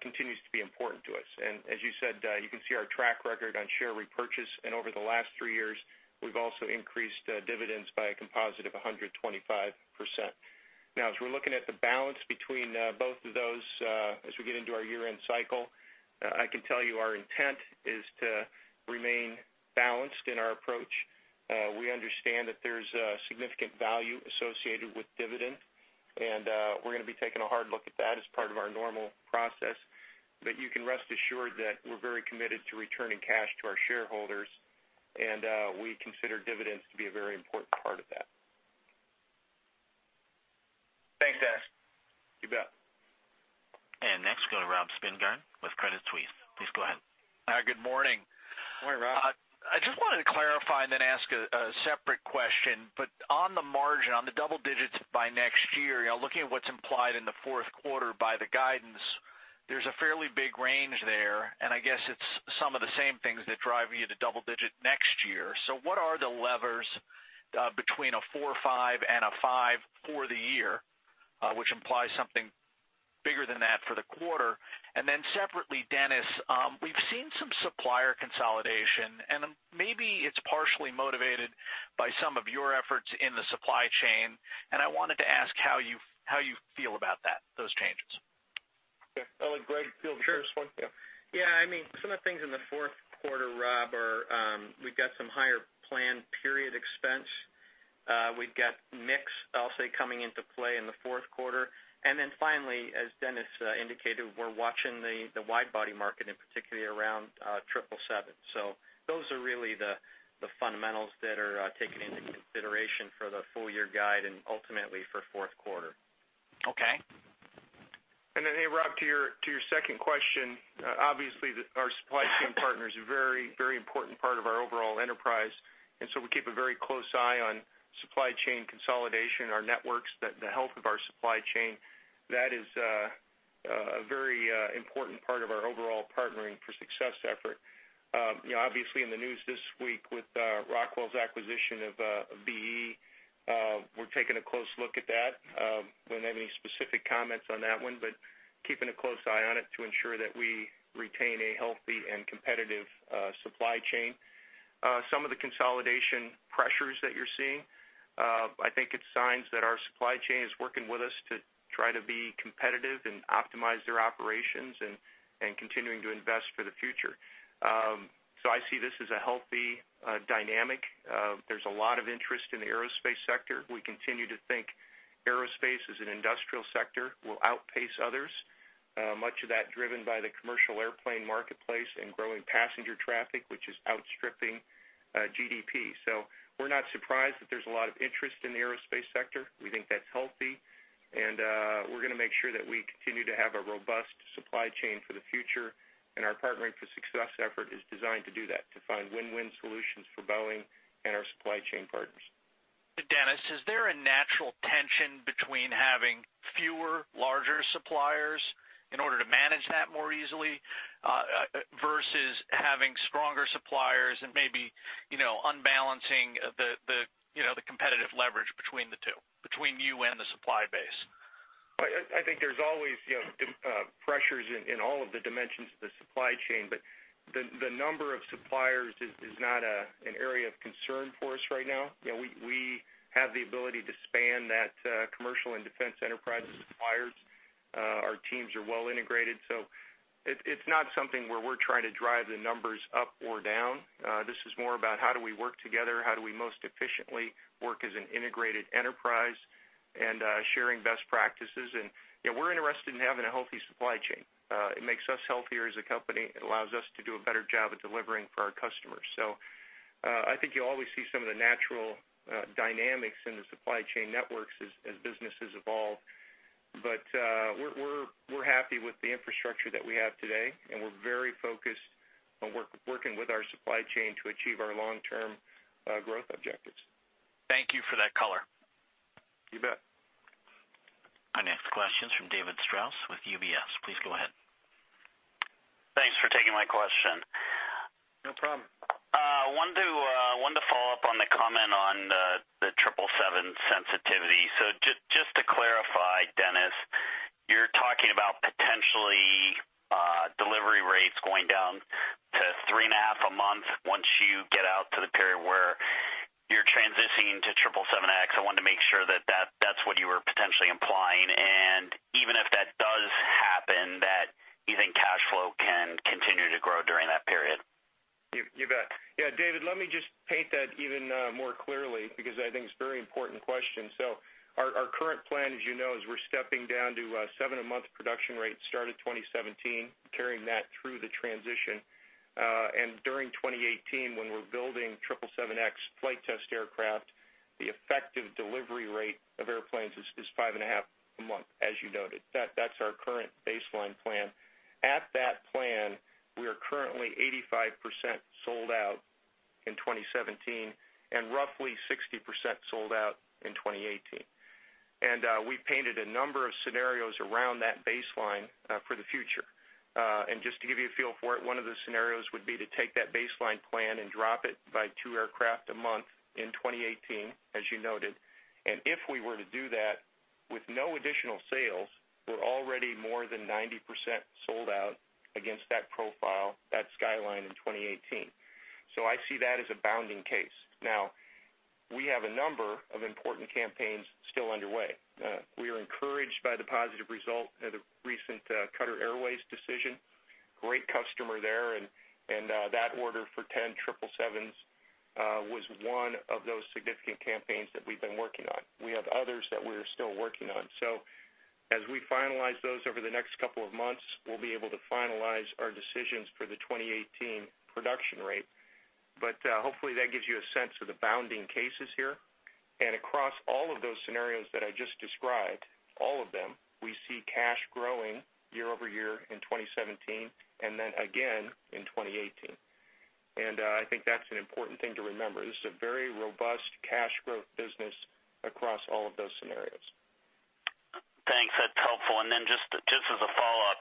continues to be important to us. As you said, you can see our track record on share repurchase, and over the last three years, we've also increased dividends by a composite of 125%. Now, as we're looking at the balance between both of those as we get into our year-end cycle, I can tell you our intent is to remain balanced in our approach. We understand that there's significant value associated with dividend, and we're going to be taking a hard look at that as part of our normal process. You can rest assured that we're very committed to returning cash to our shareholders, and we consider dividends to be a very important part of that. Thanks, Dennis. You bet. Next, go to Rob Spingarn with Credit Suisse. Please go ahead. Hi, good morning. Morning, Rob. I just wanted to clarify and then ask a separate question. On the margin, on the double digits by next year, looking at what's implied in the fourth quarter by the guidance, there's a fairly big range there, and I guess it's some of the same things that drive you to double digit next year. What are the levers between a four or five and a five for the year, which implies something bigger than that for the quarter? Separately, Dennis, we've seen some supplier consolidation, and maybe it's partially motivated by some of your efforts in the supply chain. I wanted to ask how you feel about those changes. Okay. I'll let Greg field the first one. Sure. Yeah. Yeah, some of the things in the fourth quarter, Rob, are we've got some higher planned period expense. We've got mix, I'll say, coming into play in the fourth quarter. Finally, as Dennis indicated, we're watching the wide body market, and particularly around 777. Those are really the fundamentals that are taken into consideration for the full year guide and ultimately for fourth quarter. Okay. Hey, Rob, to your second question, obviously our supply chain partners are a very important part of our overall enterprise, we keep a very close eye on supply chain consolidation, our networks, the health of our supply chain. That is a very important part of our overall Partnering for Success effort. Obviously, in the news this week with Rockwell Collins' acquisition of B/E, we're taking a close look at that. Don't have any specific comments on that one, but keeping a close eye on it to ensure that we retain a healthy and competitive supply chain. Some of the consolidation pressures that you're seeing I think it's signs that our supply chain is working with us to try to be competitive and optimize their operations and continuing to invest for the future. I see this as a healthy dynamic. There's a lot of interest in the aerospace sector. We continue to think aerospace as an industrial sector, will outpace others. Much of that driven by the commercial airplane marketplace and growing passenger traffic, which is outstripping GDP. We're not surprised that there's a lot of interest in the aerospace sector. We think that's healthy, and we're going to make sure that we continue to have a robust supply chain for the future. Our Partnering for Success effort is designed to do that, to find win-win solutions for Boeing and our supply chain partners. Dennis, is there a natural tension between having fewer, larger suppliers in order to manage that more easily, versus having stronger suppliers and maybe unbalancing the competitive leverage between the two, between you and the supply base? I think there's always pressures in all of the dimensions of the supply chain, the number of suppliers is not an area of concern for us right now. We have the ability to span that commercial and defense enterprise with suppliers. Our teams are well integrated. It's not something where we're trying to drive the numbers up or down. This is more about how do we work together, how do we most efficiently work as an integrated enterprise and sharing best practices. We're interested in having a healthy supply chain. It makes us healthier as a company. It allows us to do a better job at delivering for our customers. I think you'll always see some of the natural dynamics in the supply chain networks as businesses evolve. We're happy with the infrastructure that we have today, and we're very focused on working with our supply chain to achieve our long-term growth objectives. Thank you for that color. You bet. Our next question's from David Strauss with UBS. Please go ahead. Thanks for taking my question. No problem. I wanted to follow up on the comment on the 777 sensitivity. Just to clarify, Dennis, you're talking about potentially delivery rates going down to three and a half a month once you get out to the period where you're transitioning to 777X. I wanted to make sure that that's what you were potentially implying. Even if that does happen, that you think cash flow can continue to grow during that period. You bet. David, let me just paint that even more clearly because I think it's a very important question. Our current plan, as you know, is we're stepping down to seven a month production rate start of 2017, carrying that through the transition. During 2018, when we're building 777X flight test aircraft, the effective delivery rate of airplanes is five and a half a month, as you noted. That's our current baseline plan. At that plan, we are currently 85% sold out in 2017 and roughly 60% sold out in 2018. We painted a number of scenarios around that baseline for the future. Just to give you a feel for it, one of the scenarios would be to take that baseline plan and drop it by two aircraft a month in 2018, as you noted. If we were to do that with no additional sales, we're already more than 90% sold out against that profile, that skyline in 2018. I see that as a bounding case. We have a number of important campaigns still underway. We are encouraged by the positive result of the recent Qatar Airways decision. Great customer there, and that order for 10 777s, was one of those significant campaigns that we've been working on. We have others that we're still working on. As we finalize those over the next couple of months, we'll be able to finalize our decisions for the 2018 production rate. Hopefully, that gives you a sense of the bounding cases here. Across all of those scenarios that I just described, all of them, we see cash growing year-over-year in 2017 and then again in 2018. I think that's an important thing to remember. This is a very robust cash growth business across all of those scenarios. Thanks. That's helpful. Just as a follow-up,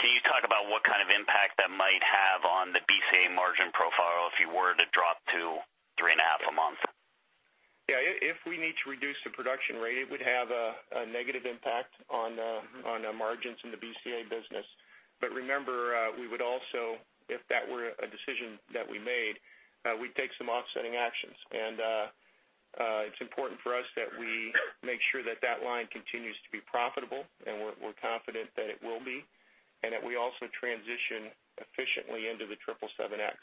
can you talk about what kind of impact that might have on the BCA margin profile if you were to drop to three and a half a month? Yeah. If we need to reduce the production rate, it would have a negative impact on the margins in the BCA business. Remember, we would also, if that were a decision that we made, we'd take some offsetting actions. It's important for us that we make sure that line continues to be profitable, and we're confident that it will be, and that we also transition efficiently into the 777X.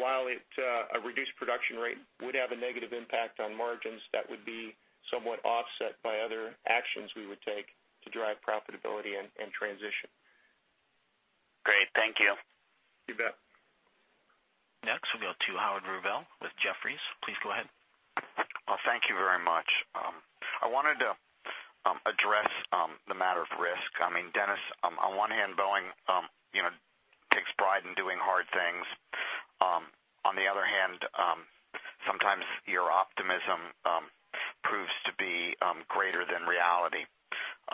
While a reduced production rate would have a negative impact on margins, that would be somewhat offset by other actions we would take to drive profitability and transition. Great. Thank you. You bet. Next, we'll go to Howard Rubel with Jefferies. Please go ahead. Well, thank you very much. I wanted to address the matter of risk. Dennis, on one hand, Boeing takes pride in doing hard things. On the other hand, sometimes your optimism proves to be greater than reality.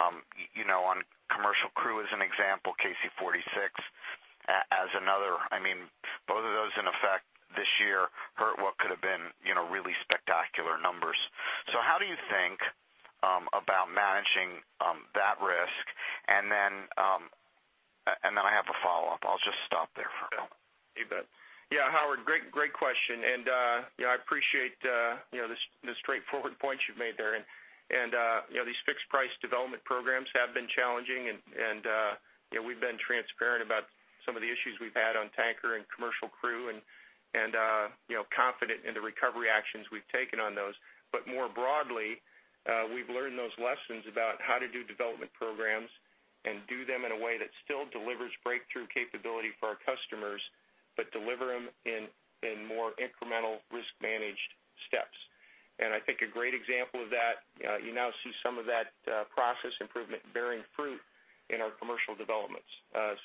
On Commercial Crew as an example, KC-46 as another, both of those in effect this year hurt what could have been really spectacular numbers. How do you think? You bet. Howard, great question. I appreciate the straightforward points you've made there. These fixed price development programs have been challenging, and we've been transparent about some of the issues we've had on Tanker and Commercial Crew, and confident in the recovery actions we've taken on those. More broadly, we've learned those lessons about how to do development programs and do them in a way that still delivers breakthrough capability for our customers, but deliver them in more incremental, risk-managed steps. I think a great example of that, you now see some of that process improvement bearing fruit in our commercial developments.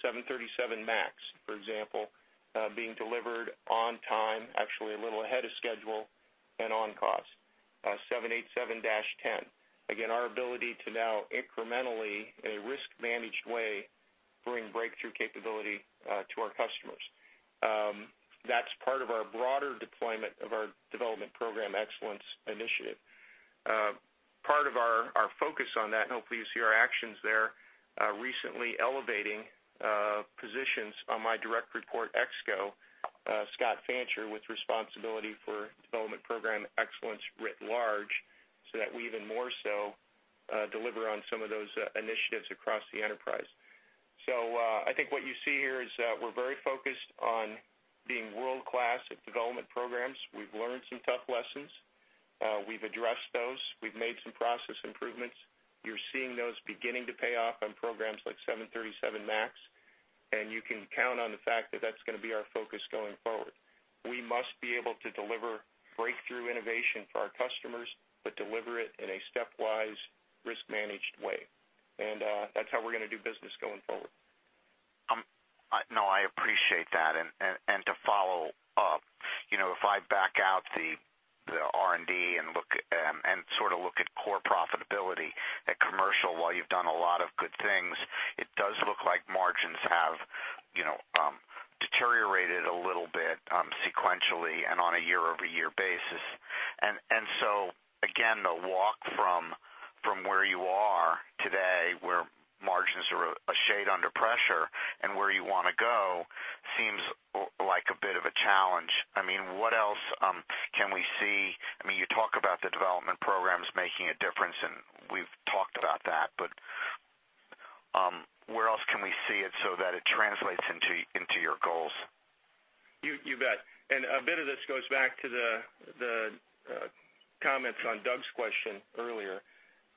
737 MAX, for example, being delivered on time, actually a little ahead of schedule, and on cost. 787-10. Again, our ability to now incrementally, in a risk-managed way, bring breakthrough capability to our customers. That's part of our broader deployment of our Development Program Excellence initiative. Part of our focus on that, hopefully you see our actions there, recently elevating positions on my direct report ExCo, Scott Fancher, with responsibility for Development Program Excellence writ large, so that we even more so deliver on some of those initiatives across the enterprise. I think what you see here is that we're very focused on being world-class at development programs. We've learned some tough lessons. We've addressed those. We've made some process improvements. You're seeing those beginning to pay off on programs like 737 MAX, you can count on the fact that that's going to be our focus going forward. We must be able to deliver breakthrough innovation for our customers, but deliver it in a stepwise, risk-managed way. That's how we're going to do business going forward. No, I appreciate that. To follow up, if I back out the R&D and sort of look at core profitability at commercial, while you've done a lot of good things, it does look like margins have deteriorated a little bit sequentially and on a year-over-year basis. Again, the walk from where you are today, where margins are a shade under pressure, and where you want to go seems like a bit of a challenge. What else can we see? You talk about the development programs making a difference, we've talked about that, where else can we see it so that it translates into your goals? You bet. A bit of this goes back to the comments on Doug's question earlier.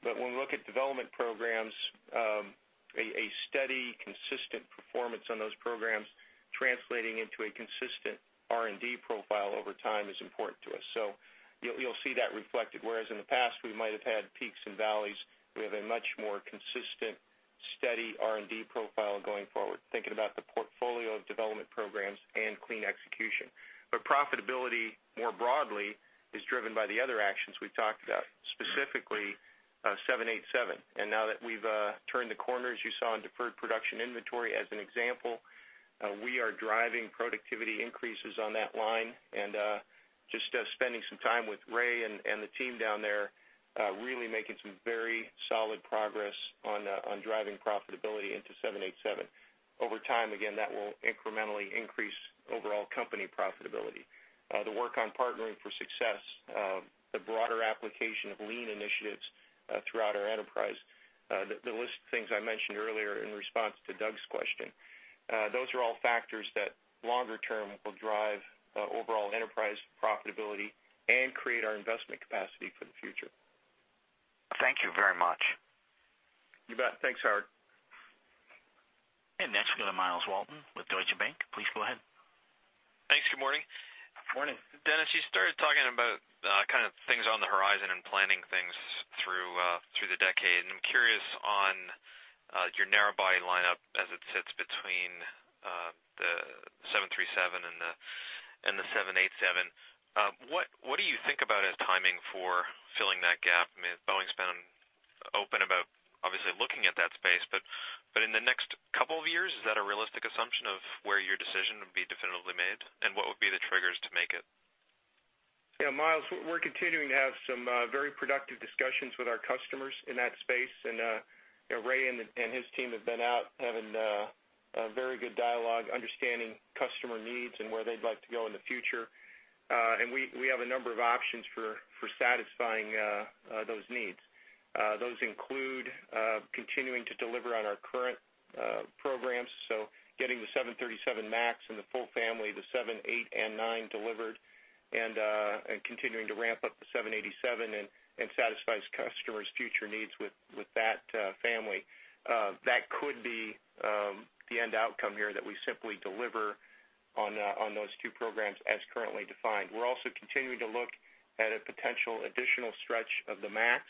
When we look at development programs, a steady, consistent performance on those programs translating into a consistent R&D profile over time is important to us. You'll see that reflected, whereas in the past, we might have had peaks and valleys, we have a much more consistent, steady R&D profile going forward, thinking about the portfolio of development programs and clean execution. Profitability, more broadly, is driven by the other actions we've talked about, specifically 787. Now that we've turned the corner, as you saw in deferred production inventory as an example, we are driving productivity increases on that line. Just spending some time with Ray and the team down there, really making some very solid progress on driving profitability into 787. Over time, again, that will incrementally increase overall company profitability. The work on Partnering for Success, the broader application of lean initiatives throughout our enterprise, the list of things I mentioned earlier in response to Doug's question. Those are all factors that longer term will drive overall enterprise profitability and create our investment capacity for the future. Thank you very much. You bet. Thanks, Howard. Next, we go to Myles Walton with Deutsche Bank. Please go ahead. Thanks. Good morning. Morning. Dennis, you started talking about things on the horizon and planning things through the decade. I'm curious on your narrow body lineup as it sits between the 737 and the 787. What do you think about as timing for filling that gap? Boeing's been open about obviously looking at that space, but in the next couple of years, is that a realistic assumption of where your decision would be definitively made? What would be the triggers to make it? Yeah, Myles, we're continuing to have some very productive discussions with our customers in that space. Ray and his team have been out having a very good dialogue, understanding customer needs and where they'd like to go in the future. We have a number of options for satisfying those needs. Those include continuing to deliver on our current programs, so getting the 737 MAX and the full family, the seven, eight, and nine delivered, and continuing to ramp up the 787 and satisfy customers' future needs with that family. That could be the end outcome here, that we simply deliver on those two programs as currently defined. We're also continuing to look at a potential additional stretch of the MAX.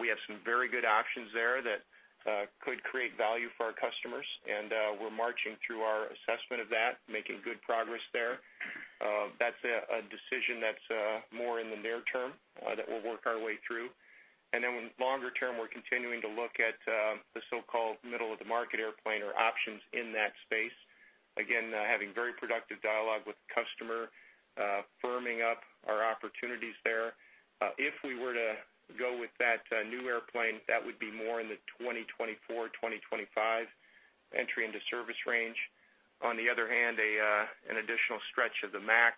We have some very good options there that could create value for our customers, and we're marching through our assessment of that, making good progress there. That's a decision that's more in the near term that we'll work our way through. Longer term, we're continuing to look at the so-called middle of the market airplane or options in that space. Again, having very productive Firming up our opportunities there. If we were to go with that new airplane, that would be more in the 2024, 2025 entry into service range. On the other hand, an additional stretch of the MAX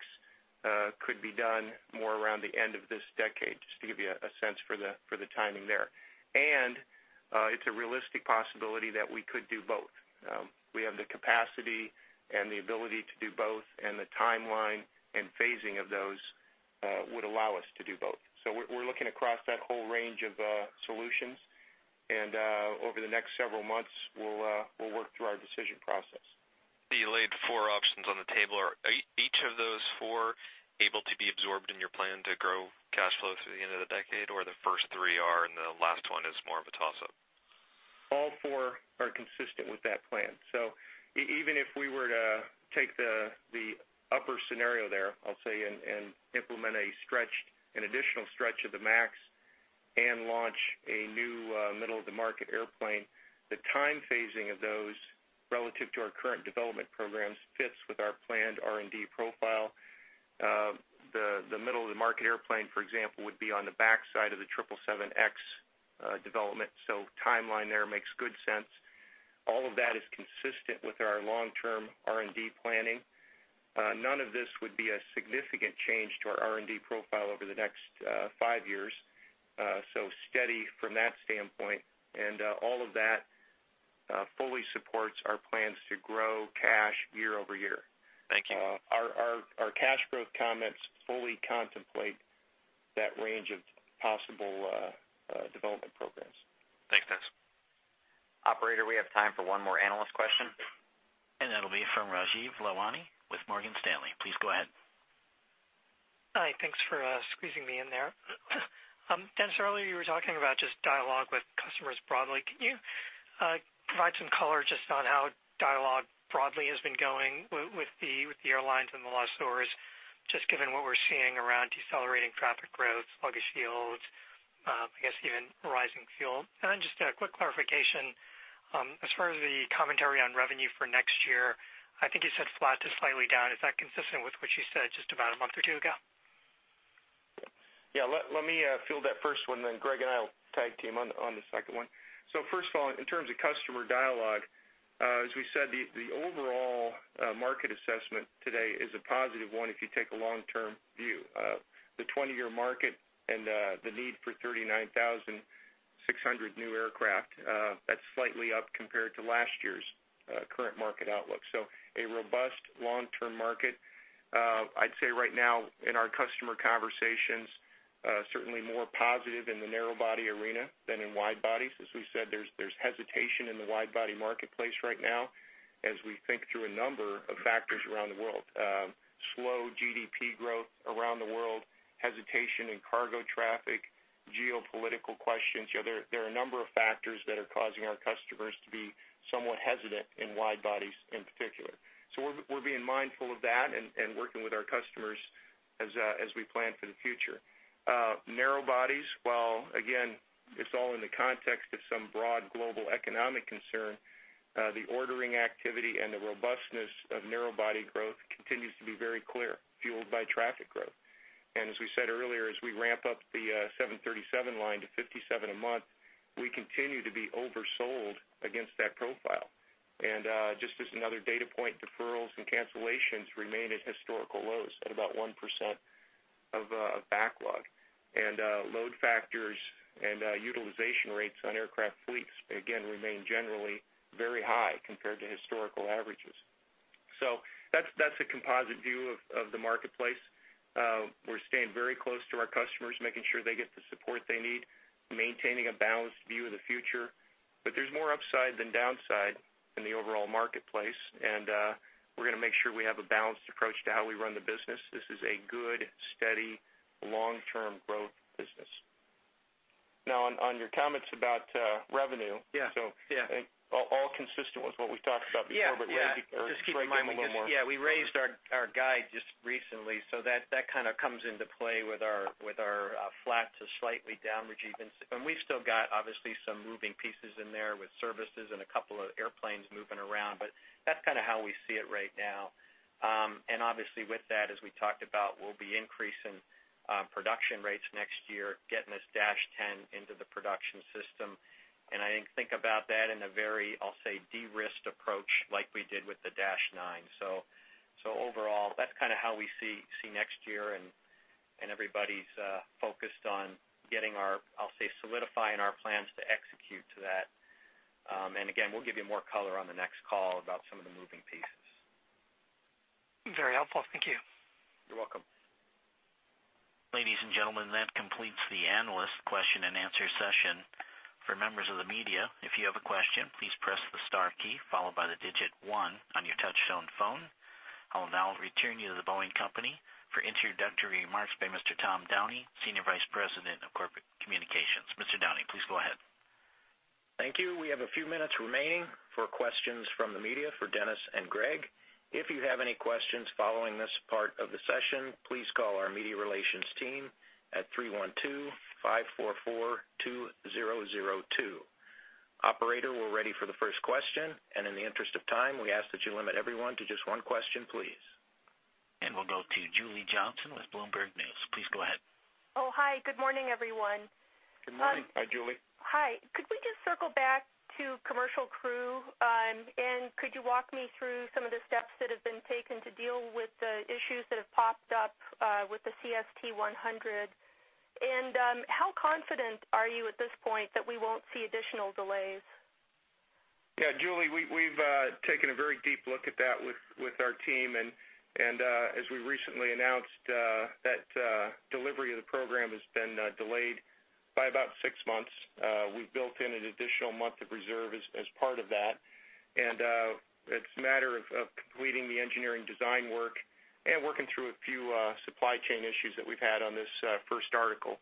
could be done more around the end of this decade, just to give you a sense for the timing there. It's a realistic possibility that we could do both. We have the capacity and the ability to do both, and the timeline and phasing of those would allow us to do both. We're looking across that whole range of solutions, and over the next several months, we'll work through our decision process. You laid four options on the table. Are each of those four able to be absorbed in your plan to grow cash flow through the end of the decade, or the first three are, and the last one is more of a toss-up? All four are consistent with that plan. Even if we were to take the upper scenario there, I'll say, and implement an additional stretch of the MAX and launch a new middle of the market airplane, the time phasing of those relative to our current development programs fits with our planned R&D profile. The middle of the market airplane, for example, would be on the backside of the 777X development, so timeline there makes good sense. All of that is consistent with our long-term R&D planning. None of this would be a significant change to our R&D profile over the next five years, so steady from that standpoint, and all of that fully supports our plans to grow cash year over year. Thank you. Our cash growth comments fully contemplate that range of possible development programs. Thanks, Dennis. Operator, we have time for one more analyst question. That'll be from Rajeev Lalwani with Morgan Stanley. Please go ahead. Hi. Thanks for squeezing me in there. Dennis, earlier you were talking about just dialogue with customers broadly. Can you provide some color just on how dialogue broadly has been going with the airlines and the lessors, just given what we're seeing around decelerating traffic growth, sluggish yields, I guess even rising fuel? Then just a quick clarification, as far as the commentary on revenue for next year, I think you said flat to slightly down. Is that consistent with what you said just about a month or two ago? Yeah, let me field that first one, then Greg and I will tag team on the second one. First of all, in terms of customer dialogue, as we said, the overall market assessment today is a positive one if you take a long-term view. The 20-year market and the need for 39,600 new aircraft, that's slightly up compared to last year's current market outlook. A robust long-term market. I'd say right now in our customer conversations, certainly more positive in the narrow body arena than in wide bodies. As we said, there's hesitation in the wide body marketplace right now as we think through a number of factors around the world. Slow GDP growth around the world, hesitation in cargo traffic, geopolitical questions. There are a number of factors that are causing our customers to be somewhat hesitant in wide bodies in particular. We're being mindful of that and working with our customers as we plan for the future. Narrow bodies, while again, it's all in the context of some broad global economic concern, the ordering activity and the robustness of narrow body growth continues to be very clear, fueled by traffic growth. As we said earlier, as we ramp up the 737 line to 57 a month, we continue to be oversold against that profile. Just as another data point, deferrals and cancellations remain at historical lows at about 1% of backlog. Load factors and utilization rates on aircraft fleets, again, remain generally very high compared to historical averages. That's a composite view of the marketplace. We're staying very close to our customers, making sure they get the support they need, maintaining a balanced view of the future. There's more upside than downside in the overall marketplace, and we're going to make sure we have a balanced approach to how we run the business. This is a good, steady, long-term growth business. On your comments about revenue. Yeah. All consistent with what we talked about before. Yeah Maybe Greg can give a little more color. We raised our guide just recently, that kind of comes into play with our flat to slightly down [inaudible] We've still got, obviously, some moving pieces in there with services and a couple of airplanes moving around, that's kind of how we see it right now. Obviously with that, as we talked about, we'll be increasing production rates next year, getting this -10 into the production system. I think about that in a very, I'll say, de-risked approach like we did with the -9. Overall, that's kind of how we see next year, everybody's focused on getting our, I'll say, solidifying our plans to execute to that. Again, we'll give you more color on the next call about some of the moving pieces. Very helpful. Thank you. You're welcome. Ladies and gentlemen, that completes the analyst question and answer session. For members of the media, if you have a question, please press the star key followed by the digit 1 on your touchtone phone. I will now return you to The Boeing Company for introductory remarks by Mr. Tom Downey, Senior Vice President of Corporate Communications. Mr. Downey, please go ahead. Thank you. We have a few minutes remaining for questions from the media for Dennis and Greg. If you have any questions following this part of the session, please call our media relations team at 312-544-2002. Operator, we're ready for the first question, and in the interest of time, we ask that you limit everyone to just one question, please. We'll go to Julie Johnsson with Bloomberg News. Please go ahead. Oh, hi. Good morning, everyone. Good morning. Hi, Julie. Hi. Could we just circle back to Commercial Crew, and could you walk me through some of the steps that have been taken to deal with the issues that have popped up with the CST-100? How confident are you at this point that we won't see additional delays? Yeah, Julie, we've taken a very deep look at that with our team, and as we recently announced, that delivery of the program has been delayed by about six months. We've built in an additional month of reserve as part of that. It's a matter of completing the engineering design work and working through a few supply chain issues that we've had on this first article.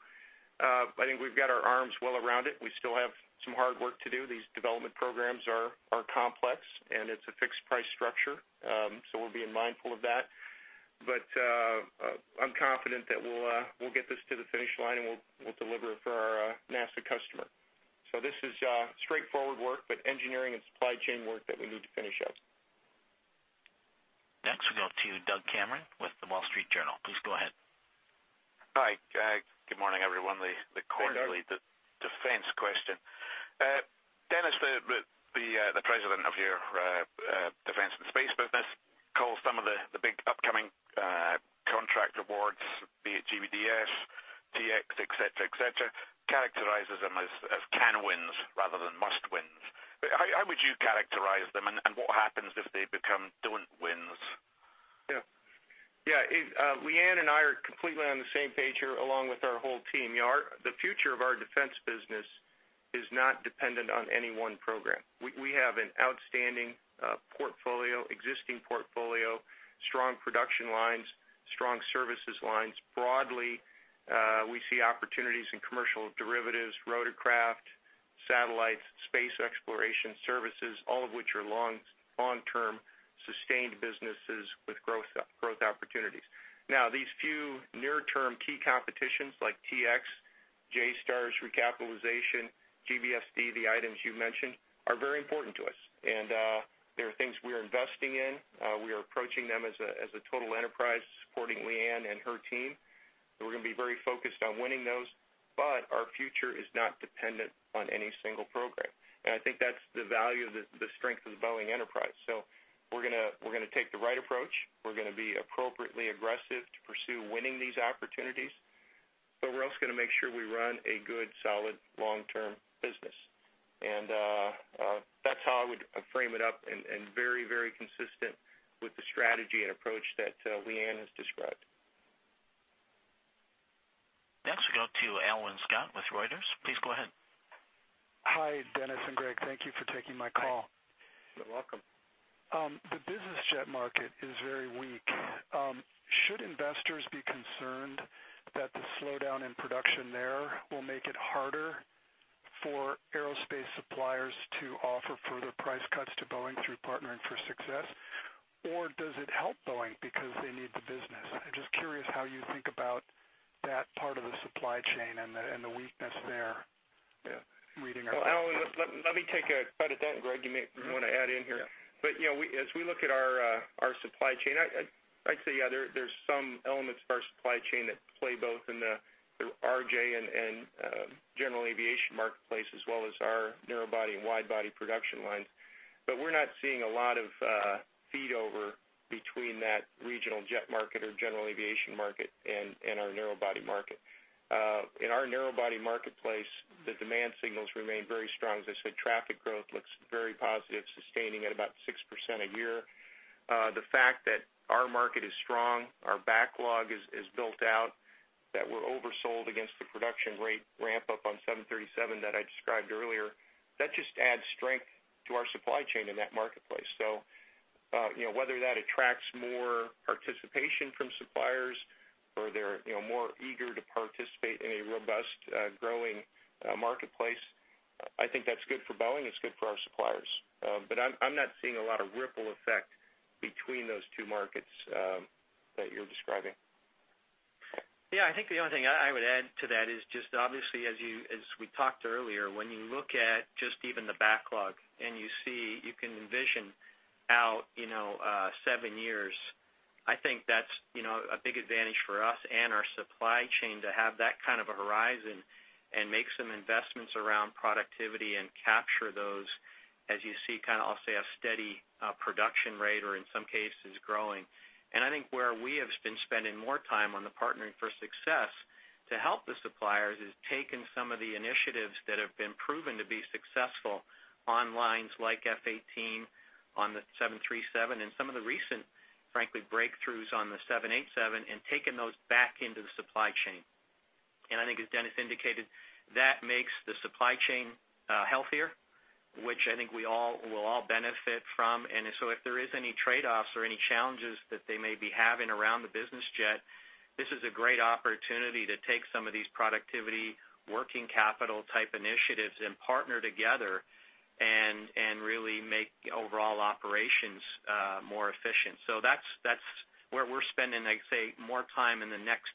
I think we've got our arms well around it. We still have some hard work to do. These development programs are complex, and it's a fixed price structure, we're being mindful of that. I'm confident that we'll get this to the finish line, and we'll deliver it for our NASA customer. This is straightforward work, but engineering and supply chain work that we need to finish up. Next, we'll go to Doug Cameron with The Wall Street Journal. Please go ahead. Hi. Good morning, everyone. Hey, Doug. The quarterly, the defense question. Dennis, the president of your defense and space business calls some of the big upcoming contract awards, be it GBSD, T-X, et cetera, characterizes them as can-wins rather than must-wins. How would you characterize them, and what happens if they become don't-wins? Yeah. Leanne and I are completely on the same page here, along with our whole team. The future of our defense business is not dependent on any one program. We have an outstanding existing portfolio, strong production lines, strong services lines. Broadly, we see opportunities in commercial derivatives, rotorcraft, satellites, space exploration services, all of which are long-term sustained businesses with growth opportunities. These few near-term key competitions like T-X, JSTARS Recapitalization, GBSD, the items you mentioned, are very important to us, and they are things we are investing in. We are approaching them as a total enterprise, supporting Leanne and her team. We're going to be very focused on winning those, but our future is not dependent on any single program. I think that's the value, the strength of The Boeing Company enterprise. We're going to take the right approach. We're going to be appropriately aggressive to pursue winning these opportunities, but we're also going to make sure we run a good, solid, long-term business. That's how I would frame it up and very consistent with the strategy and approach that Leanne has described. Next, we go to Alwyn Scott with Reuters. Please go ahead. Hi, Dennis and Greg. Thank you for taking my call. You're welcome. The business jet market is very weak. Should investors be concerned that the slowdown in production there will make it harder for aerospace suppliers to offer further price cuts to Boeing through Partnering for Success? Does it help Boeing because they need the business? I'm just curious how you think about that part of the supply chain and the weakness there. Yeah. Reading articles. Well, Alwyn, let me take a cut at that. Greg, you may want to add in here. As we look at our supply chain, I'd say yeah, there's some elements of our supply chain that play both in the RJ and general aviation marketplace, as well as our narrow body and wide body production lines. We're not seeing a lot of feed over between that regional jet market or general aviation market and our narrow body market. In our narrow body marketplace, the demand signals remain very strong. As I said, traffic growth looks very positive, sustaining at about 6% a year. The fact that our market is strong, our backlog is built out, that we're oversold against the production rate ramp-up on 737 that I described earlier, that just adds strength to our supply chain in that marketplace. Whether that attracts more participation from suppliers or they're more eager to participate in a robust, growing marketplace, I think that's good for Boeing, it's good for our suppliers. I'm not seeing a lot of ripple effect between those two markets that you're describing. Yeah. I think the only thing I would add to that is just obviously, as we talked earlier, when you look at just even the backlog and you can envision out 7 years, I think that's a big advantage for us and our supply chain to have that kind of a horizon and make some investments around productivity and capture those as you see, I'll say, a steady production rate or in some cases, growing. I think where we have been spending more time on the Partnering for Success to help the suppliers, is taking some of the initiatives that have been proven to be successful on lines like F/A-18, on the 737 and some of the recent, frankly, breakthroughs on the 787 and taking those back into the supply chain. I think as Dennis indicated, that makes the supply chain healthier, which I think we'll all benefit from. If there is any trade-offs or any challenges that they may be having around the business jet, this is a great opportunity to take some of these productivity, working capital type initiatives and partner together and really make overall operations more efficient. That's where we're spending, I'd say, more time in the next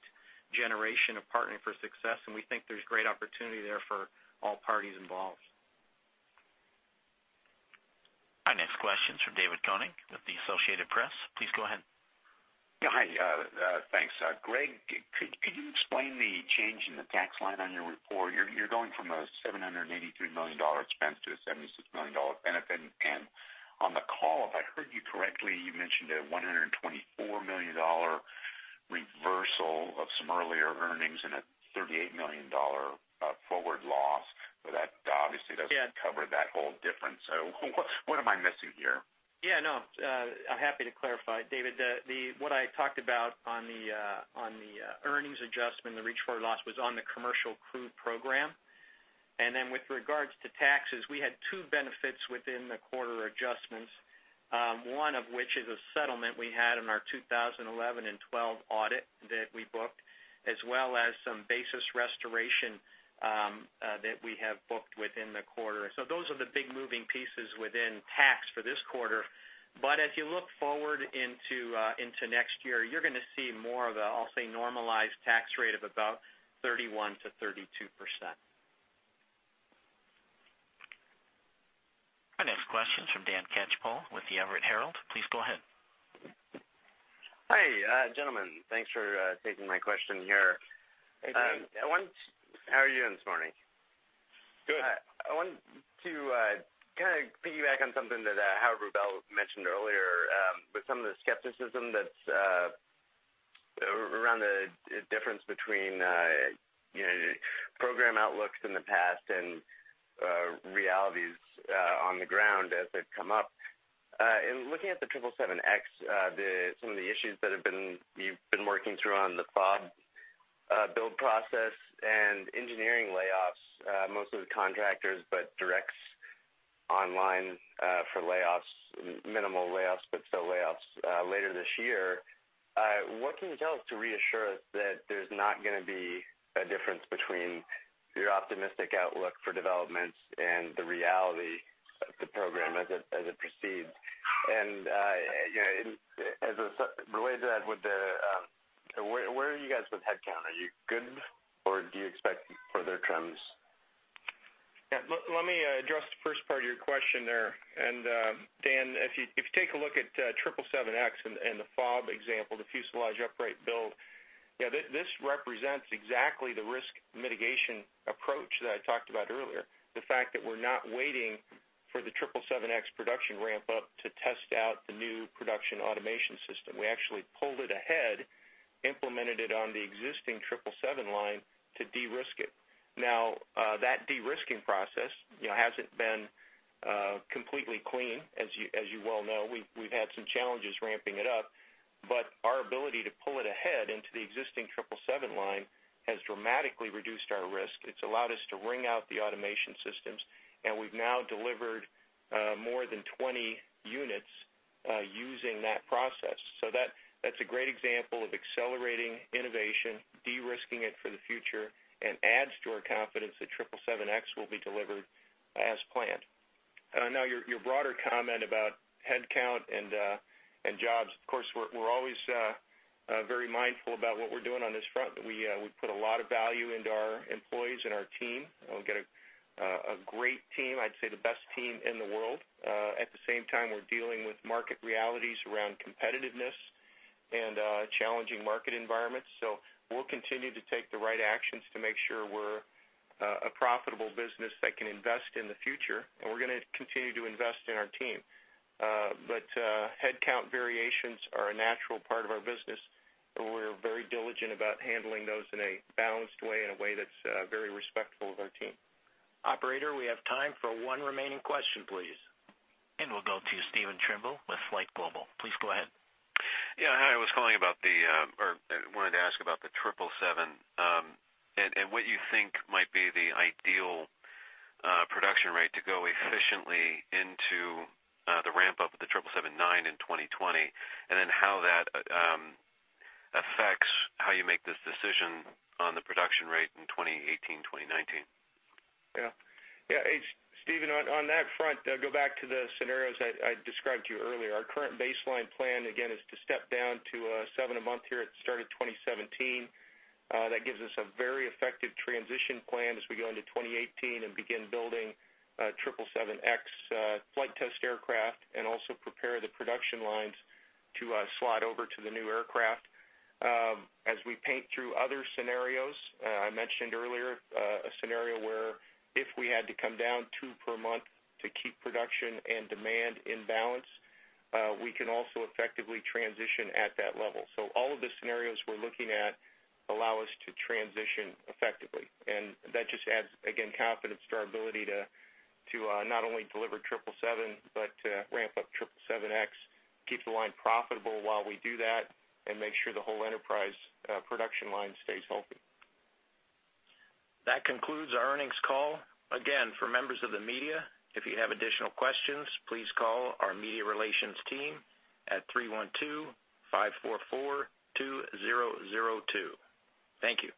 generation of Partnering for Success. We think there's great opportunity there for all parties involved. Our next question's from David Koenig with the Associated Press. Please go ahead. Yeah, hi. Thanks. Greg, could you explain the change in the tax line on your report? You're going from a $783 million expense to a $76 million benefit. On the call, if I heard you correctly, you mentioned a $124 million reversal of some earlier earnings and a $38 million forward loss. That obviously doesn't cover that whole difference. What am I missing here? Yeah, no, I'm happy to clarify, David. What I talked about on the earnings adjustment, the reach-forward loss, was on the Commercial Crew Program. With regards to taxes, we had two benefits within the quarter adjustments. One of which is a settlement we had in our 2011 and 2012 audit that we booked, as well as some basis restoration that we have booked within the quarter. Those are the big moving pieces within tax for this quarter. As you look forward into next year, you're going to see more of a, I'll say, normalized tax rate of about 31%-32%. Our next question's from Dan Catchpole with the Everett Herald. Please go ahead. Hi, gentlemen. Thanks for taking my question here. Hey, Dan. How are you this morning? Good. I wanted to kind of piggyback on something that Howard Rubel mentioned earlier, with some of the skepticism that's around the difference between program outlooks in the past and realities on the ground as they've come up. In looking at the 777X, some of the issues that you've been working through on the FAUB build process and engineering layoffs, mostly with contractors, but directs online for layoffs, minimal layoffs, but still layoffs later this year. What can you tell us to reassure us that there's not going to be a difference between your optimistic outlook for developments and the reality of the program as it proceeds? Related to that, where are you guys with headcount? Are you good, or do you expect further trims? Yeah, let me address the first part of your question there. Dan, if you take a look at 777X and the FAUB example, the fuselage upright build, this represents exactly the risk mitigation approach that I talked about earlier. The fact that we're not waiting for the 777X production ramp-up to test out the new production automation system. We actually pulled it ahead, implemented it on the existing 777 line to de-risk it. That de-risking process hasn't been completely clean, as you well know. We've had some challenges ramping it up. Our ability to pull it ahead into the existing 777 line has dramatically reduced our risk. It's allowed us to wring out the automation systems, and we've now delivered more than 20 units using that process. That's a great example of accelerating innovation, de-risking it for the future, and adds to our confidence that 777X will be delivered as planned. Your broader comment about headcount and jobs, of course, we're always very mindful about what we're doing on this front. We put a lot of value into our employees and our team. We've got a great team, I'd say the best team in the world. At the same time, we're dealing with market realities around competitiveness and challenging market environments. We'll continue to take the right actions to make sure we're a profitable business that can invest in the future, and we're going to continue to invest in our team. Headcount variations are a natural part of our business, and we're very diligent about handling those in a balanced way, in a way that's very respectful of our team. Operator, we have time for one remaining question, please. We'll go to Stephen Trimble with FlightGlobal. Please go ahead. Hi, I was calling about or wanted to ask about the 777, and what you think might be the ideal production rate to go efficiently into the ramp-up of the 777-9 in 2020, and then how that affects how you make this decision on the production rate in 2018, 2019. Stephen, on that front, I'll go back to the scenarios I described to you earlier. Our current baseline plan, again, is to step down to seven a month here at the start of 2017. That gives us a very effective transition plan as we go into 2018 and begin building 777X flight test aircraft and also prepare the production lines to slide over to the new aircraft. As we paint through other scenarios, I mentioned earlier a scenario where if we had to come down two per month to keep production and demand in balance, we can also effectively transition at that level. All of the scenarios we're looking at allow us to transition effectively, and that just adds, again, confidence to our ability to not only deliver 777 but to ramp up 777X, keep the line profitable while we do that, and make sure the whole enterprise production line stays healthy. That concludes our earnings call. Again, for members of the media, if you have additional questions, please call our media relations team at 312-544-2002. Thank you.